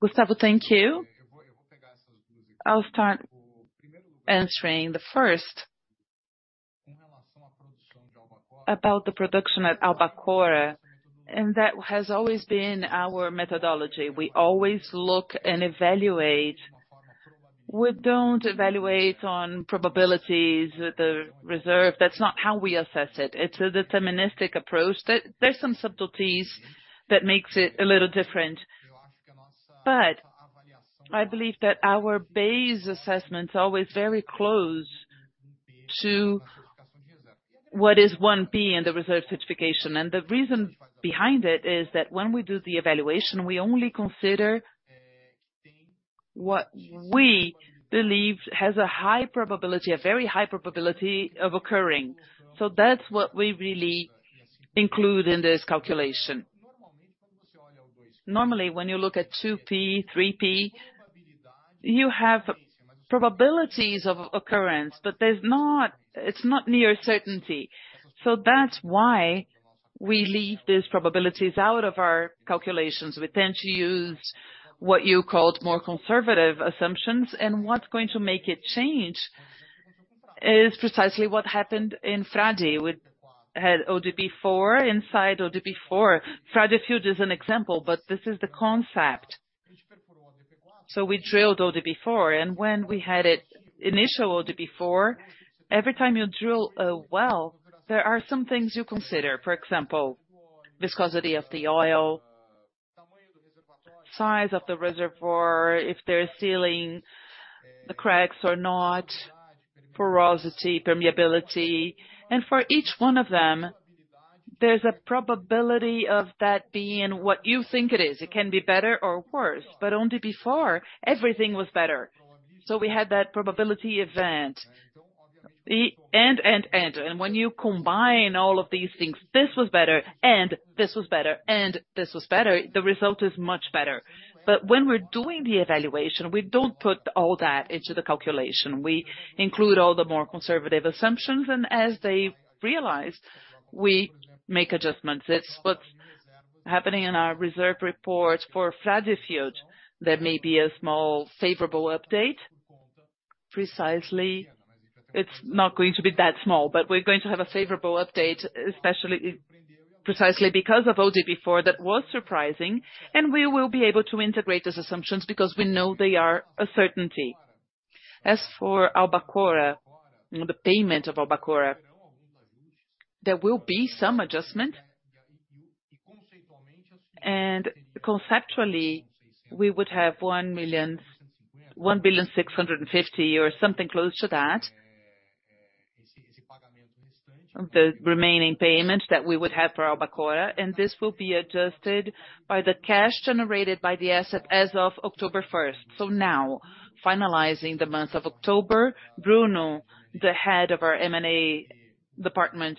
Gustavo, thank you. I'll start answering the first about the production at Albacora, and that has always been our methodology. We always look and evaluate. We don't evaluate on probabilities, the reserve. That's not how we assess it. It's a deterministic approach. There, there's some subtleties that makes it a little different. But I believe that our base assessment's always very close to what is 1P in the reserve certification. The reason behind it is that when we do the evaluation, we only consider what we believe has a high probability, a very high probability of occurring. That's what we really include in this calculation. Normally, when you look at 2P, 3P, you have probabilities of occurrence, but it's not near certainty. That's why we leave these probabilities out of our calculations. We tend to use what you called more conservative assumptions, and what's going to make it change is precisely what happened in Frade. We had ODP4. Frade field is an example, but this is the concept. We drilled ODP4, and when we had initial ODP4, every time you drill a well, there are some things you consider. For example, viscosity of the oil, size of the reservoir, if they're sealing the cracks or not, porosity, permeability. For each one of them, there's a probability of that being what you think it is. It can be better or worse. ODP-4, everything was better. We had that probability event, and when you combine all of these things, this was better, and this was better, and this was better, the result is much better. When we're doing the evaluation, we don't put all that into the calculation. We include all the more conservative assumptions, and as they materialize, we make adjustments. It's what's happening in our reserve report for Frade field. There may be a small favorable update. Precisely, it's not going to be that small, but we're going to have a favorable update, especially precisely because of ODP-4 that was surprising, and we will be able to integrate those assumptions because we know they are a certainty. As for Albacora, the payment of Albacora, there will be some adjustment. Conceptually, we would have $1.65 billion or something close to that, the remaining payment that we would have for Albacora, and this will be adjusted by the cash generated by the asset as of October first. Now, finalizing the month of October, Bruno, the head of our M&A department,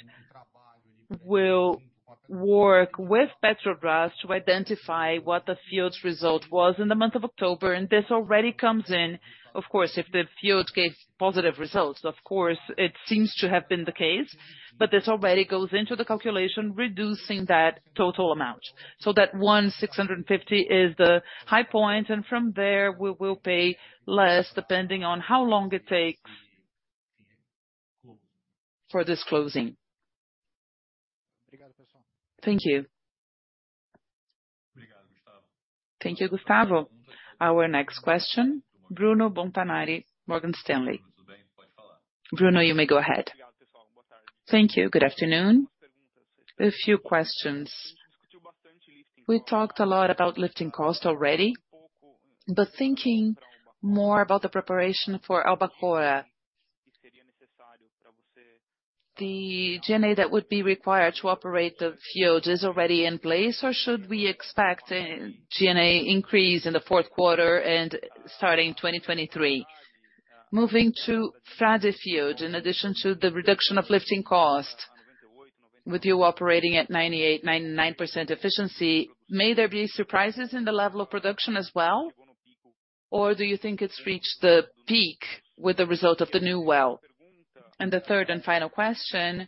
will work with Petrobras to identify what the field's result was in the month of October. This already comes in. Of course, if the field gets positive results, of course, it seems to have been the case. This already goes into the calculation, reducing that total amount. That $1,650 is the high point, and from there, we will pay less depending on how long it takes for this closing. Thank you. Thank you, Gustavo. Our next question, Bruno Montanari, Morgan Stanley. Bruno, you may go ahead. Thank you. Good afternoon. A few questions. We talked a lot about lifting cost already, but thinking more about the preparation for Albacora. The G&A that would be required to operate the field is already in place, or should we expect a G&A increase in the fourth quarter and starting 2023? Moving to Frade field, in addition to the reduction of lifting cost, with you operating at 98%-99% efficiency, may there be surprises in the level of production as well? Or do you think it's reached the peak with the result of the new well? The third and final question,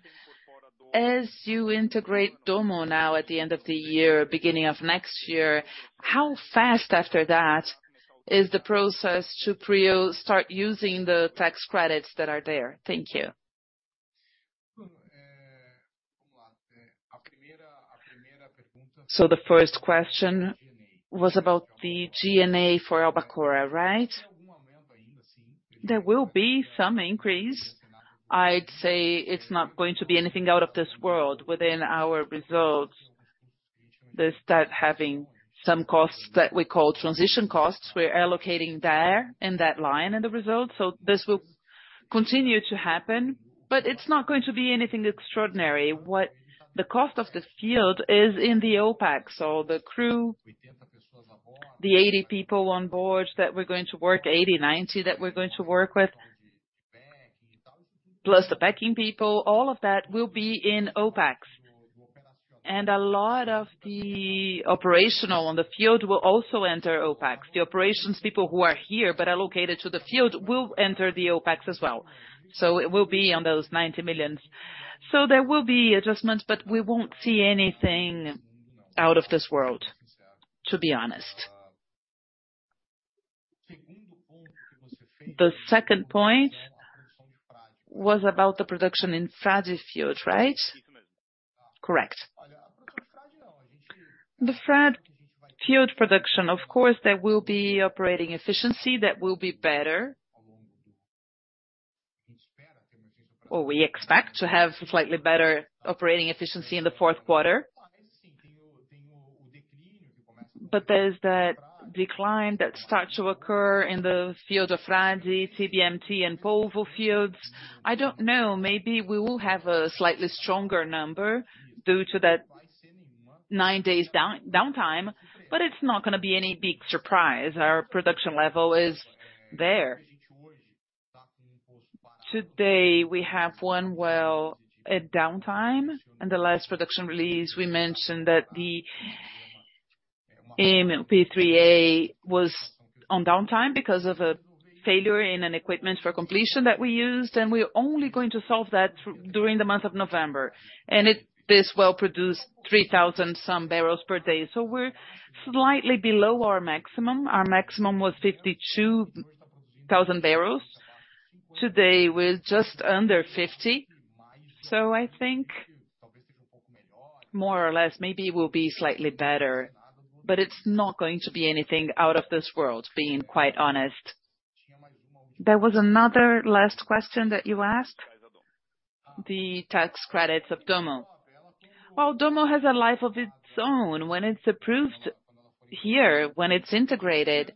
as you integrate Dommo now at the end of the year, beginning of next year, how fast after that is the process to start using the tax credits that are there? Thank you. The first question was about the G&A for Albacora, right? There will be some increase. I'd say it's not going to be anything out of this world within our results. They start having some costs that we call transition costs. We're allocating there in that line in the results. This will continue to happen, but it's not going to be anything extraordinary. The cost of this field is in the OPEX. The crew, the 80 people on board that we're going to work, the 80-90 that we're going to work with, plus the backing people, all of that will be in OPEX. A lot of the operational on the field will also enter OPEX. The operations people who are here but are located to the field will enter the OPEX as well. It will be on those $90 million. There will be adjustments, but we won't see anything out of this world, to be honest. The second point was about the production in Frade field, right? Correct. The Frade field production, of course, there will be operating efficiency that will be better. We expect to have slightly better operating efficiency in the fourth quarter. There's that decline that starts to occur in the field of Frade, TBMT, and Polvo fields. I don't know, maybe we will have a slightly stronger number due to that 9 days downtime, but it's not gonna be any big surprise. Our production level is there. Today, we have one well at downtime. In the last production release, we mentioned that the MUP3A was on downtime because of a failure in an equipment for completion that we used, and we're only going to solve that during the month of November. This well produced 3,000 some barrels per day. We're slightly below our maximum. Our maximum was 52,000 barrels. Today, we're just under 50. I think more or less, maybe we'll be slightly better, but it's not going to be anything out of this world, being quite honest. There was another last question that you asked. The tax credits of Dommo. Well, Dommo has a life of its own. When it's approved here, when it's integrated,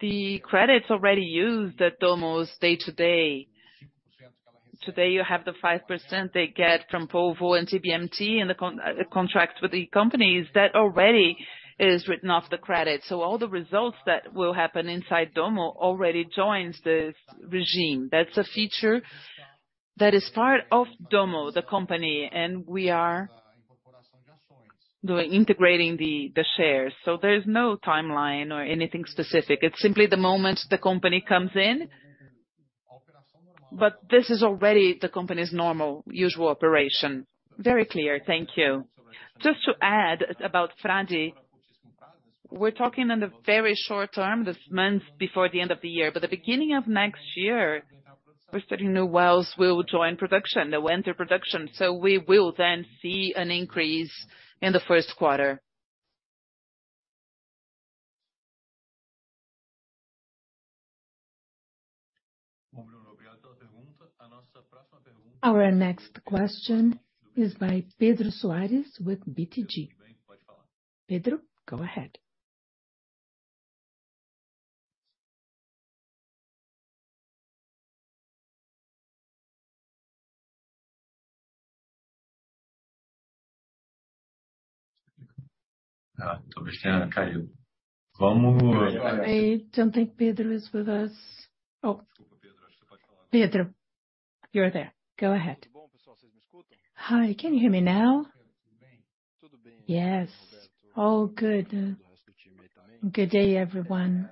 the credits already used at Dommo's day-to-day. Today, you have the 5% they get from Polvo and TBMT in the contract with the companies. That already is written off the credit. All the results that will happen inside Dommo already joins this regime. That's a feature that is part of Dommo, the company, and we are integrating the shares. There's no timeline or anything specific. It's simply the moment the company comes in. This is already the company's normal usual operation. Very clear. Thank you. Just to add about Frade, we're talking in the very short term, this month before the end of the year. The beginning of next year, we're saying new wells will join production, they went to production, so we will then see an increase in the first quarter. Our next question is by Pedro Soares with BTG. Pedro, go ahead. I don't think Pedro is with us. Oh, Pedro, you're there. Go ahead. Hi. Can you hear me now? Yes. All good. Good day, everyone.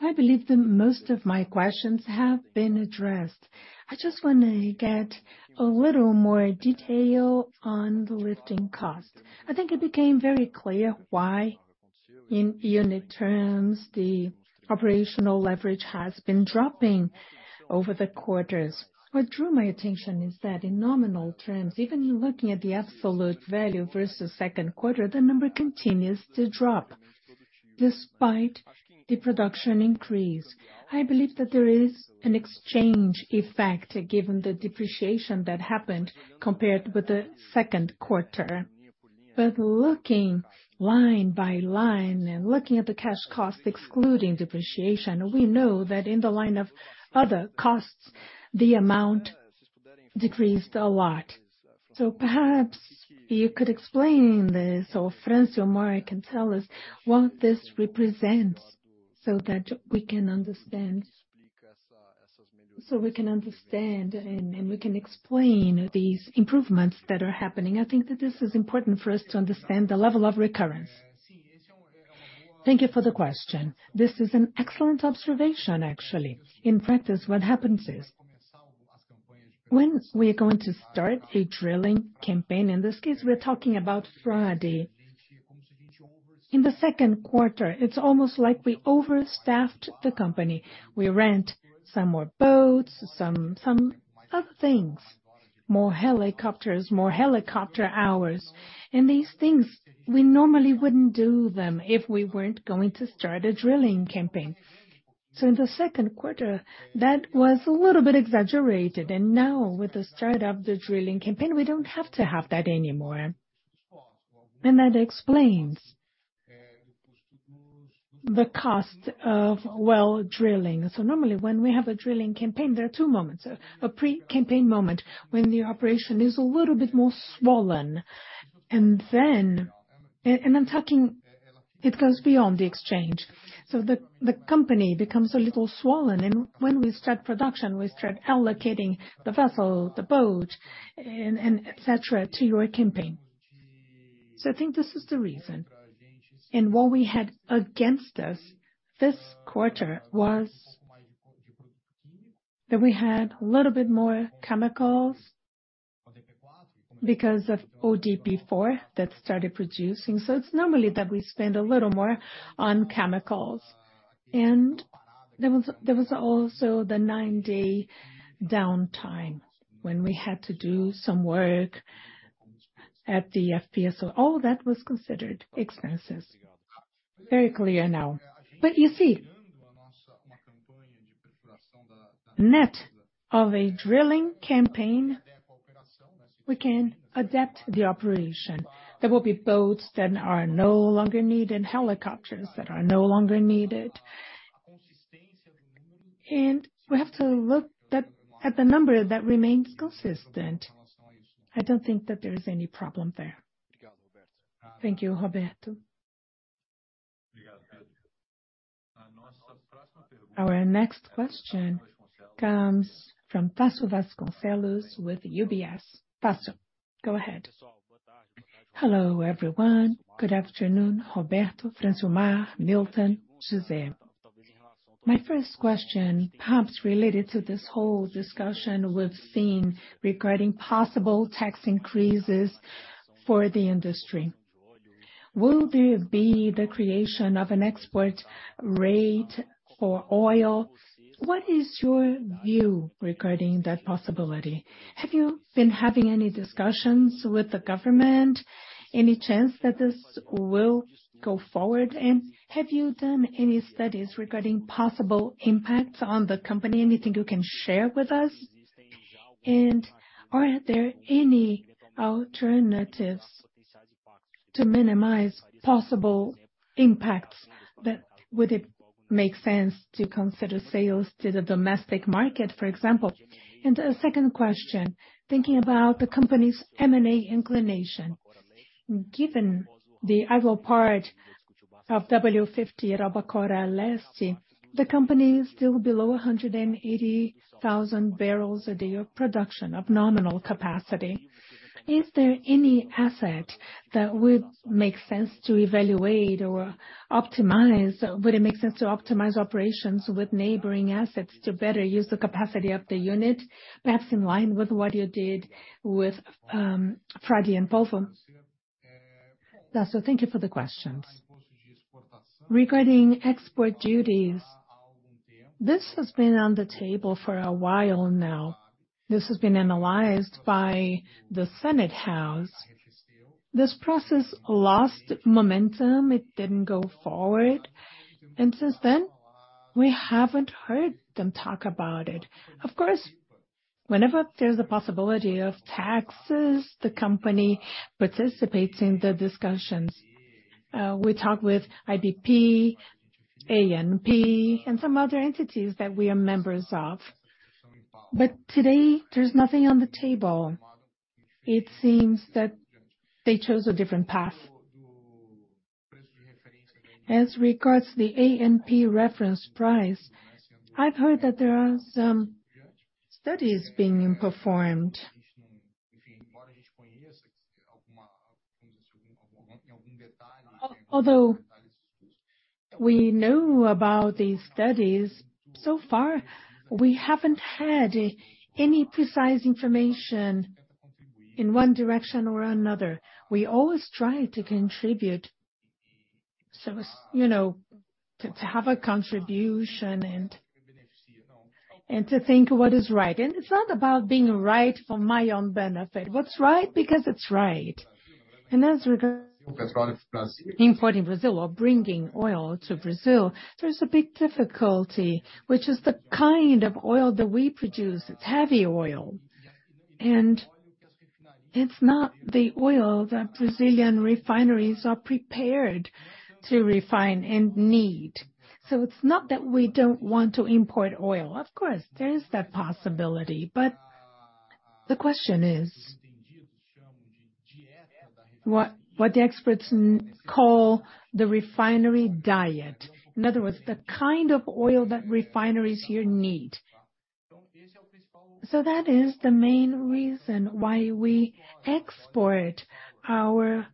I believe that most of my questions have been addressed. I just wanna get a little more detail on the lifting cost. I think it became very clear why. In unit terms, the operational leverage has been dropping over the quarters. What drew my attention is that in nominal terms, even looking at the absolute value versus second quarter, the number continues to drop despite the production increase. I believe that there is an exchange effect given the depreciation that happened compared with the second quarter. Looking line by line and looking at the cash cost excluding depreciation, we know that in the line of other costs, the amount decreased a lot. Perhaps you could explain this, or Francilmar can tell us what this represents so that we can understand. We can understand and we can explain these improvements that are happening. I think that this is important for us to understand the level of recurrence. Thank you for the question. This is an excellent observation, actually. In practice, what happens is when we are going to start a drilling campaign, in this case, we're talking about Frade. In the second quarter, it's almost like we overstaffed the company. We rent some more boats, some other things. More helicopters, more helicopter hours. These things, we normally wouldn't do them if we weren't going to start a drilling campaign. In the second quarter, that was a little bit exaggerated. Now with the start of the drilling campaign, we don't have to have that anymore. That explains the cost of well drilling. Normally, when we have a drilling campaign, there are two moments. A pre-campaign moment when the operation is a little bit more swollen. Then. I'm talking, it goes beyond the exchange. The company becomes a little swollen. When we start production, we start allocating the vessel, the boat and et cetera, to your campaign. I think this is the reason. What we had against us this quarter was that we had a little bit more chemicals because of ODP-4 that started producing. It's normally that we spend a little more on chemicals. There was also the 9-day downtime when we had to do some work at the FPSO. All that was considered expenses. Very clear now. You see, net of a drilling campaign, we can adapt the operation. There will be boats that are no longer needed, helicopters that are no longer needed. We have to look at the number that remains consistent. I don't think that there is any problem there. Thank you, Roberto. Our next question comes from Tasso Vasconcelos with UBS. Tasso, go ahead. Hello, everyone. Good afternoon, Roberto, Francilmar, Milton, José. My first question, perhaps related to this whole discussion we've seen regarding possible tax increases for the industry. Will there be the creation of an export rate for oil? What is your view regarding that possibility? Have you been having any discussions with the government? Any chance that this will go forward? Have you done any studies regarding possible impacts on the company? Anything you can share with us? Are there any alternatives to minimize possible impacts that would it make sense to consider sales to the domestic market, for example? A second question, thinking about the company's M&A inclination. Given the idle part of the P-50 at Albacora Leste, the company is still below 180,000 barrels a day of production of nominal capacity. Is there any asset that would make sense to evaluate or optimize? Would it make sense to optimize operations with neighboring assets to better use the capacity of the unit, perhaps in line with what you did with Frade and Polvo? Tasso, thank you for the questions. Regarding export duties, this has been on the table for a while now. This has been analyzed by the Senate House. This process lost momentum, it didn't go forward. Since then, we haven't heard them talk about it. Of course, whenever there's a possibility of taxes, the company participates in the discussions. We talk with IBP, ANP, and some other entities that we are members of. Today, there's nothing on the table. It seems that they chose a different path. As regards the ANP reference price, I've heard that there are some studies being performed. Although we know about these studies, so far we haven't had any precise information in one direction or another. We always try to contribute. You know, to have a contribution and to think what is right. It's not about being right for my own benefit. What's right because it's right. As regards importing to Brazil or bringing oil to Brazil, there's a big difficulty, which is the kind of oil that we produce, it's heavy oil, and it's not the oil that Brazilian refineries are prepared to refine and need. It's not that we don't want to import oil. Of course, there is that possibility. The question is what the experts call the refinery diet. In other words, the kind of oil that refineries here need. That is the main reason why we export our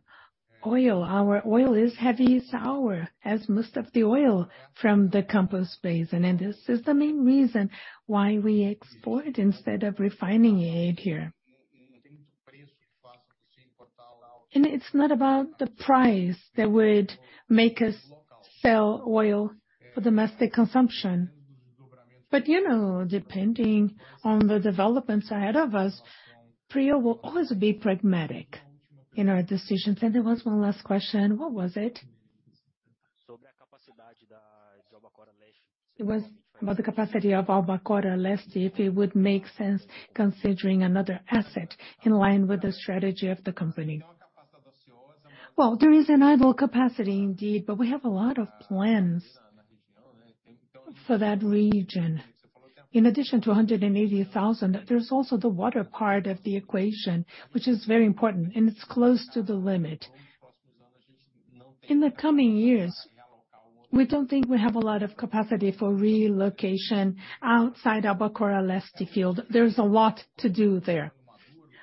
oil. Our oil is heavy sour, as most of the oil from the Campos Basin. This is the main reason why we export instead of refining it here. It's not about the price that would make us sell oil for domestic consumption. You know, depending on the developments ahead of us, Prio will always be pragmatic in our decisions. There was one last question. What was it? It was about the capacity of Albacora Leste, if it would make sense considering another asset in line with the strategy of the company. Well, there is an idle capacity indeed, but we have a lot of plans for that region. In addition to 180,000, there's also the water part of the equation, which is very important, and it's close to the limit. In the coming years, we don't think we have a lot of capacity for relocation outside Albacora Leste field. There's a lot to do there.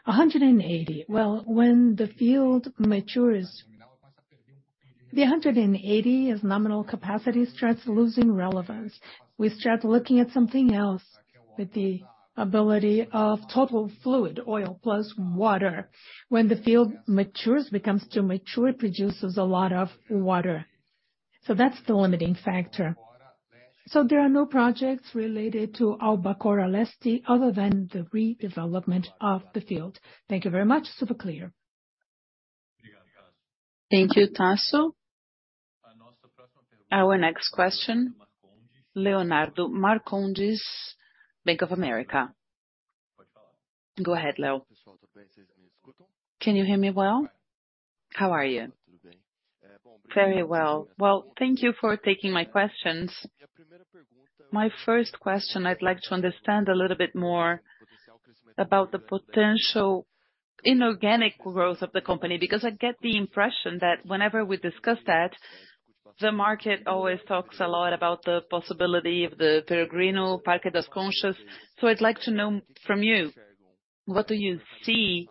180. Well, when the field matures, the 180 as nominal capacity starts losing relevance. We start looking at something else with the ability of total fluid, oil plus water. When the field matures, becomes too mature, it produces a lot of water. That's the limiting factor. There are no projects related to Albacora Leste other than the redevelopment of the field. Thank you very much. Super clear. Thank you, Tasso. Our next question, Leonardo Marcondes, Bank of America. Go ahead, Leo. Can you hear me well? How are you? Very well. Well, thank you for taking my questions. My first question, I'd like to understand a little bit more about the potential inorganic growth of the company, because I get the impression that whenever we discuss that, the market always talks a lot about the possibility of the Peregrino, Parque das Conchas. I'd like to know from you, what do you see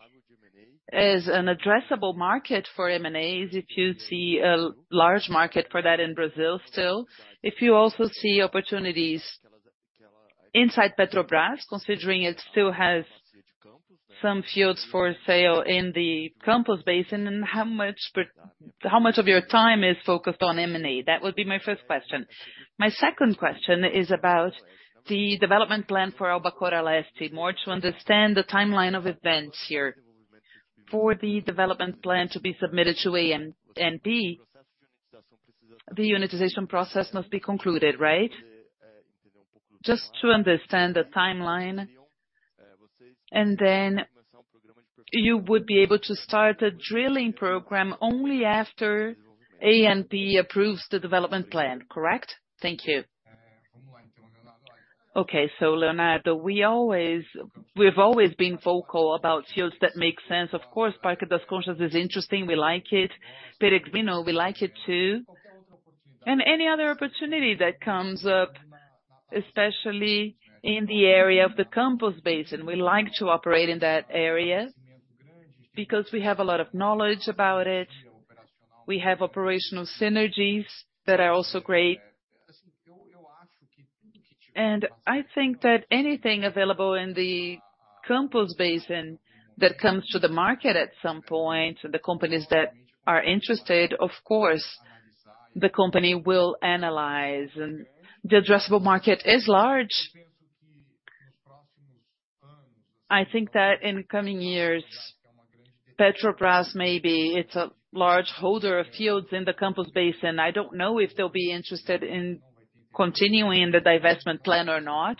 as an addressable market for M&As if you see a large market for that in Brazil still, if you also see opportunities inside Petrobras, considering it still has some fields for sale in the Campos Basin, and how much of your time is focused on M&A? That would be my first question. My second question is about the development plan for Albacora Leste. More to understand the timeline of events here. For the development plan to be submitted to ANP, the unitization process must be concluded, right? Just to understand the timeline. You would be able to start a drilling program only after ANP approves the development plan, correct? Thank you. Okay. Leonardo, we've always been vocal about fields that make sense. Of course, Parque das Conchas is interesting. We like it. Peregrino, we like it too. Any other opportunity that comes up, especially in the area of the Campos Basin, we like to operate in that area because we have a lot of knowledge about it. We have operational synergies that are also great. I think that anything available in the Campos Basin that comes to the market at some point, the companies that are interested, of course, the company will analyze. The addressable market is large. I think that in coming years, Petrobras, maybe it's a large holder of fields in the Campos Basin. I don't know if they'll be interested in continuing the divestment plan or not,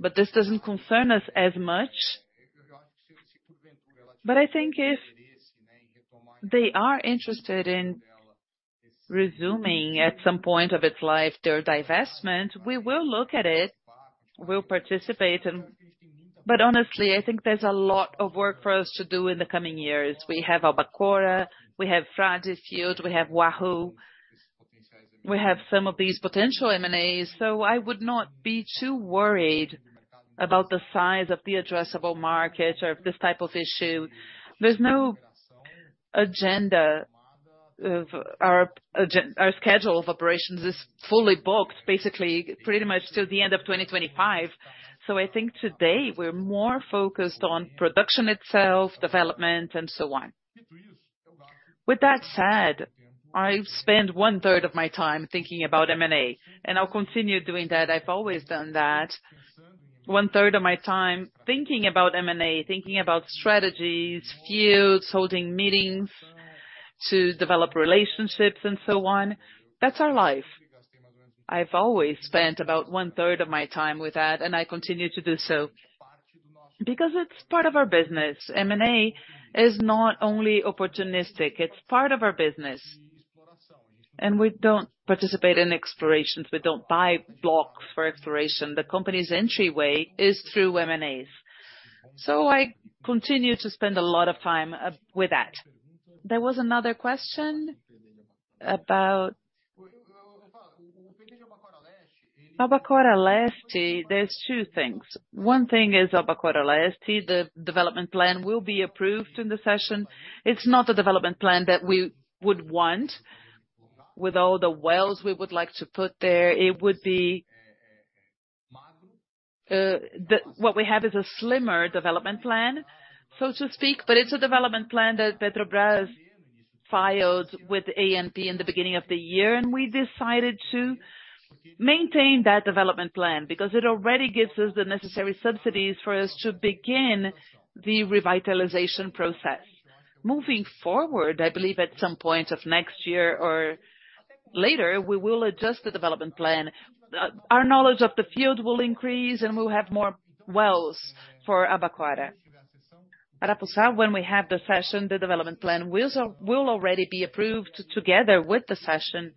but this doesn't concern us as much. I think if they are interested in resuming at some point of its life their divestment, we will look at it. We'll participate in. Honestly, I think there's a lot of work for us to do in the coming years. We have Albacora, we have Frade field, we have Wahoo, we have some of these potential M&As. I would not be too worried about the size of the addressable market or this type of issue. There's no agenda. Our schedule of operations is fully booked, basically pretty much till the end of 2025. I think today we're more focused on production itself, development, and so on. With that said, I've spent one-third of my time thinking about M&A, and I'll continue doing that. I've always done that. One-third of my time thinking about M&A, thinking about strategies, fields, holding meetings to develop relationships and so on. That's our life. I've always spent about one-third of my time with that, and I continue to do so because it's part of our business. M&A is not only opportunistic, it's part of our business. We don't participate in explorations. We don't buy block for exploration. The company's entryway is through M&As. I continue to spend a lot of time with that. There was another question about Albacora Leste, there's two things. One thing is Albacora Leste, the development plan will be approved in the session. It's not a development plan that we would want. With all the wells we would like to put there, it would be what we have is a slimmer development plan, so to speak, but it's a development plan that Petrobras filed with ANP in the beginning of the year, and we decided to maintain that development plan because it already gives us the necessary subsidies for us to begin the revitalization process. Moving forward, I believe at some point of next year or later, we will adjust the development plan. Our knowledge of the field will increase, and we'll have more wells for Albacora. Arapuça, when we have the session, the development plan will already be approved together with the session,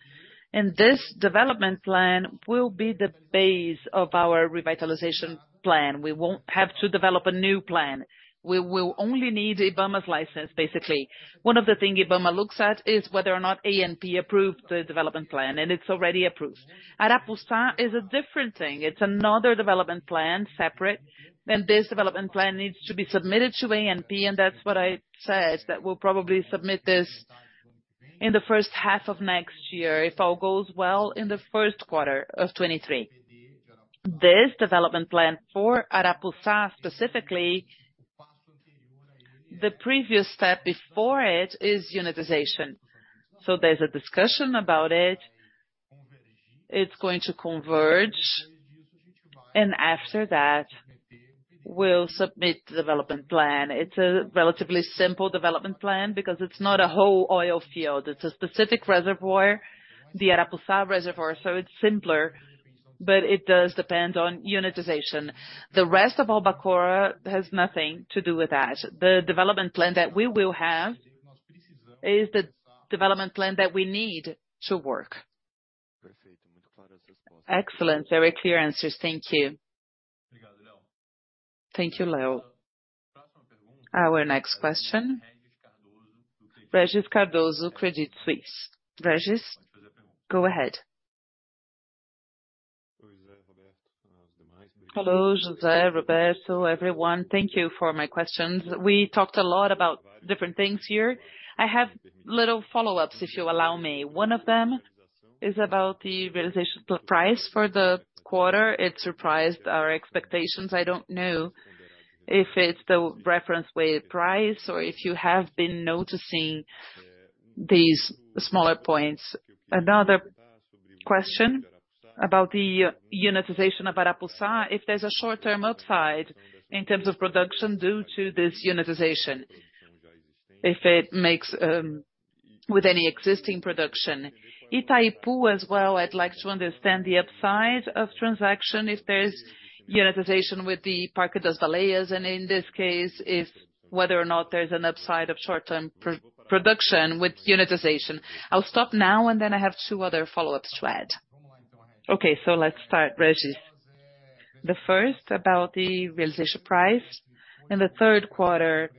and this development plan will be the base of our revitalization plan. We won't have to develop a new plan. We will only need IBAMA's license, basically. One of the things IBAMA looks at is whether or not ANP approved the development plan, and it's already approved. Arapuça is a different thing. It's another development plan, separate, and this development plan needs to be submitted to ANP, and that's what I said, that we'll probably submit this in the first half of next year. If all goes well, in the first quarter of 2023. This development plan for Arapuça, specifically, the previous step before it is unitization. So there's a discussion about it. It's going to converge. After that, we'll submit the development plan. It's a relatively simple development plan because it's not a whole oil field. It's a specific reservoir, the Arapuça reservoir, so it's simpler, but it does depend on unitization. The rest of Albacora has nothing to do with that. The development plan that we will have is the development plan that we need to work. Excellent. Very clear answers. Thank you. Thank you, Leo. Our next question, Regis Cardoso, Credit Suisse. Regis, go ahead. Hello, José, Roberto, everyone. Thank you for my questions. We talked a lot about different things here. I have little follow-ups, if you allow me. One of them is about the realization price for the quarter. It surprised our expectations. I don't know if it's the reference Brent price or if you have been noticing these smaller points. Another question about the unitization of Arapuça, if there's a short-term upside in terms of production due to this unitization, if it makes with any existing production. Itaipu as well, I'd like to understand the upside of transaction if there's unitization with the Parque das Baleias, and in this case, if or not there's an upside of short-term production with unitization. I'll stop now, and then I have two other follow-ups to add. Okay, let's start, Regis. The first about the realization price. In the third quarter,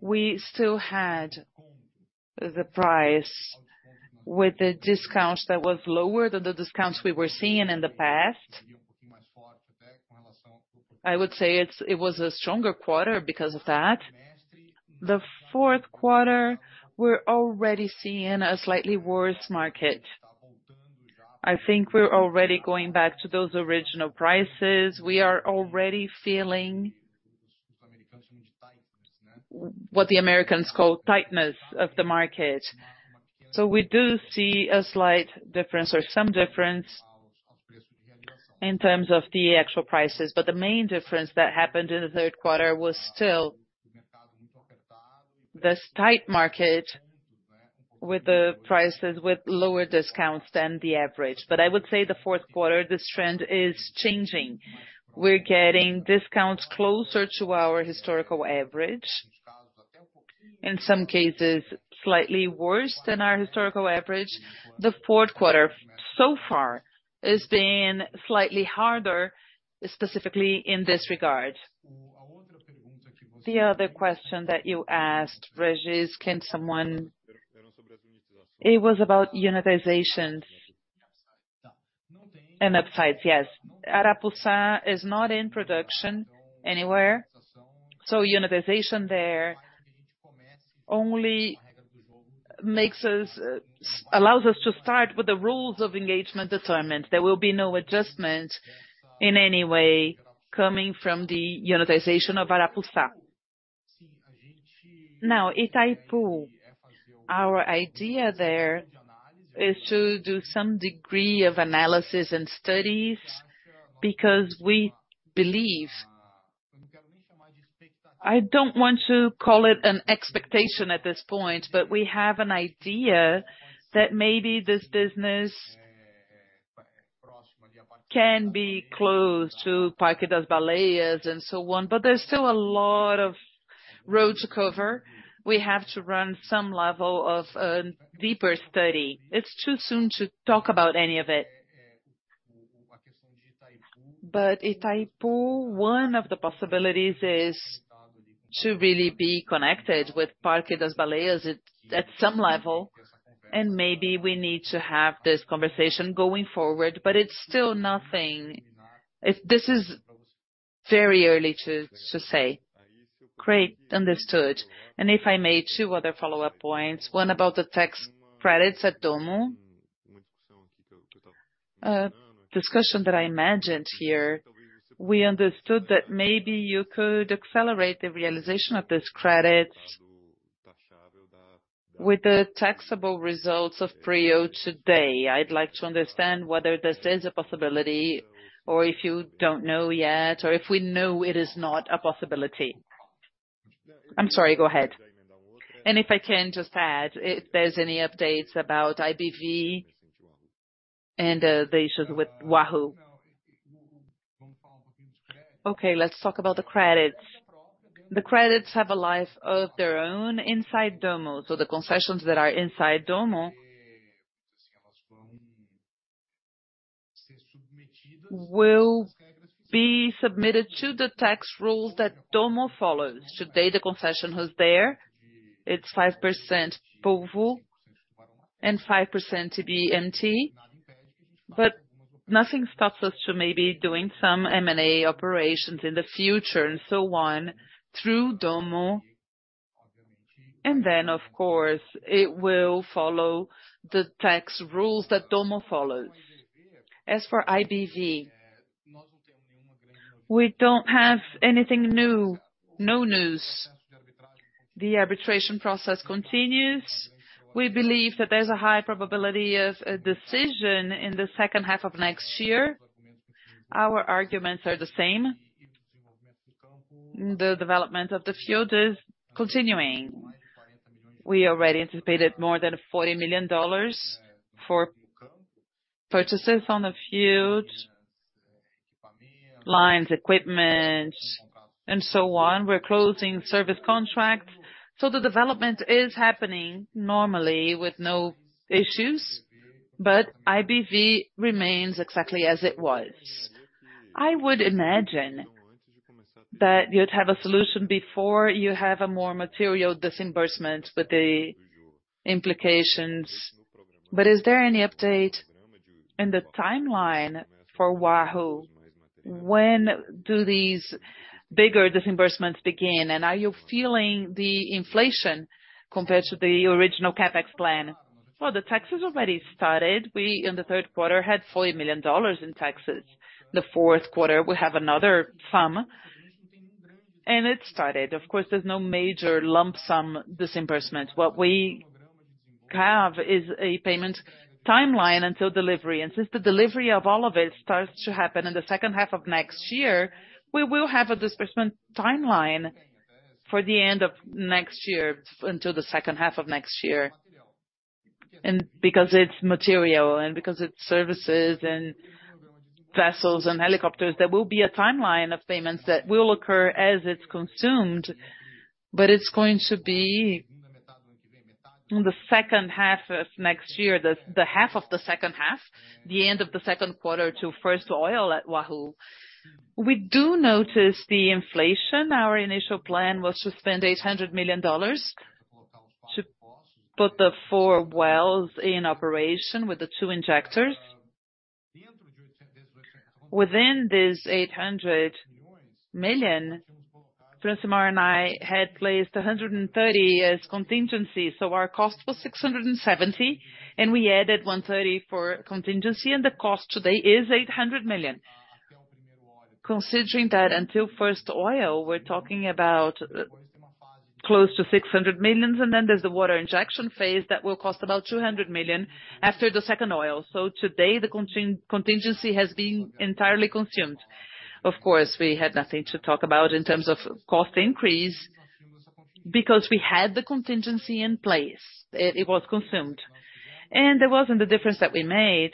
we still had the price with the discounts that was lower than the discounts we were seeing in the past. I would say it was a stronger quarter because of that. The fourth quarter, we're already seeing a slightly worse market. I think we're already going back to those original prices. We are already feeling what the Americans call tightness of the market. We do see a slight difference or some difference in terms of the actual prices. The main difference that happened in the third quarter was still this tight market with the prices with lower discounts than the average. I would say the fourth quarter, this trend is changing. We're getting discounts closer to our historical average. In some cases, slightly worse than our historical average. The fourth quarter so far has been slightly harder, specifically in this regard. The other question that you asked, Regis, was about unitization and upsides, yes. Arapuca is not in production anywhere, so unitization there only allows us to start with the rules of engagement determined. There will be no adjustment in any way coming from the unitization of Arapuca. Now Itaipu, our idea there is to do some degree of analysis and studies because we believe. I don't want to call it an expectation at this point, but we have an idea that maybe this business can be close to Parque das Baleias and so on, but there's still a lot of road to cover. We have to run some level of deeper study. It's too soon to talk about any of it. But Itaipu, one of the possibilities is to really be connected with Parque das Baleias at some level, and maybe we need to have this conversation going forward. But it's still nothing. This is very early to say. Great. Understood. If I may, two other follow-up points. One about the tax credits at Dommo. Discussion that I imagined here, we understood that maybe you could accelerate the realization of this credit with the taxable results of Prio today. I'd like to understand whether this is a possibility or if you don't know yet or if we know it is not a possibility. I'm sorry. Go ahead. If I can just add, if there's any updates about IBV and the issues with Wahoo. Okay. Let's talk about the credits. The credits have a life of their own inside Dommo. The concessions that are inside Dommo will be submitted to the tax rules that Dommo follows. Today, the concession who's there, it's 5% Polvo and 5% to TBMT. Nothing stops us to maybe doing some M&A operations in the future and so on through Dommo. Then, of course, it will follow the tax rules that Dommo follows. As for IBV, we don't have anything new. No news. The arbitration process continues. We believe that there's a high probability of a decision in the second half of next year. Our arguments are the same. The development of the field is continuing. We already anticipated more than $40 million for purchases on the field, lines, equipment, and so on. We're closing service contracts. The development is happening normally with no issues, but IBV remains exactly as it was. I would imagine that you'd have a solution before you have a more material disbursement with the implications. Is there any update in the timeline for Wahoo? When do these bigger disbursements begin? And are you feeling the inflation compared to the original CapEx plan? Well, the taxes already started. We, in the third quarter, had $40 million in taxes. The fourth quarter, we have another sum. It started. Of course, there's no major lump sum disbursement. What we have is a payment timeline until delivery. Since the delivery of all of it starts to happen in the second half of next year, we will have a disbursement timeline for the end of next year until the second half of next year. Because it's material and because it's services and vessels and helicopters, there will be a timeline of payments that will occur as it's consumed, but it's going to be in the second half of next year, the half of the second half, the end of the second quarter to first oil at Wahoo. We do notice the inflation. Our initial plan was to spend $800 million to put the four wells in operation with the two injectors. Within this $800 million, Francilmar and I had placed 130 as contingency. Our cost was $670 million, and we added 130 for contingency, and the cost today is $800 million. Considering that until first oil, we're talking about close to $600 million, and then there's the water injection phase that will cost about $200 million after the second oil. Today, the contingency has been entirely consumed. Of course, we had nothing to talk about in terms of cost increase because we had the contingency in place. It was consumed. There wasn't a difference that we made.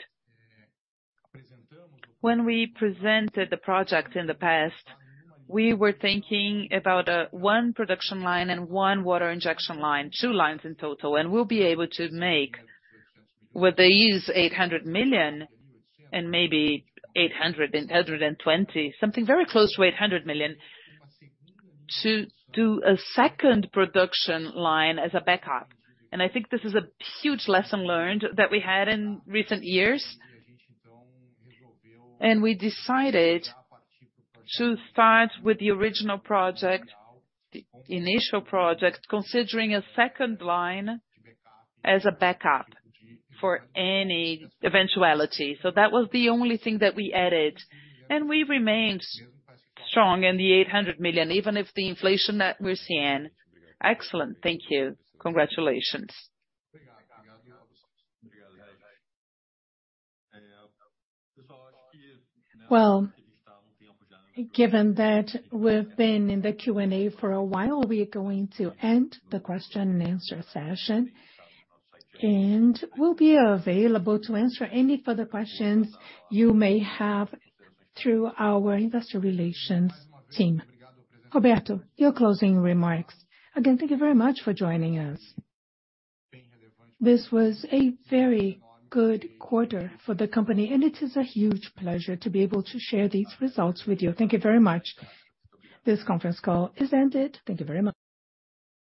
When we presented the project in the past, we were thinking about one production line and one water injection line, two lines in total. We'll be able to make what they used $800 million and maybe $820 million, something very close to $800 million, to do a second production line as a backup. I think this is a huge lesson learned that we had in recent years. We decided to start with the original project, the initial project, considering a second line as a backup for any eventuality. That was the only thing that we added. We remained strong in the $800 million, even if the inflation that we're seeing. Excellent. Thank you. Congratulations. Well, given that we've been in the Q&A for a while, we are going to end the question and answer session. We'll be available to answer any further questions you may have through our investor relations team. Roberto, your closing remarks. Again, thank you very much for joining us. This was a very good quarter for the company, and it is a huge pleasure to be able to share these results with you. Thank you very much. This conference call is ended. Thank you very much.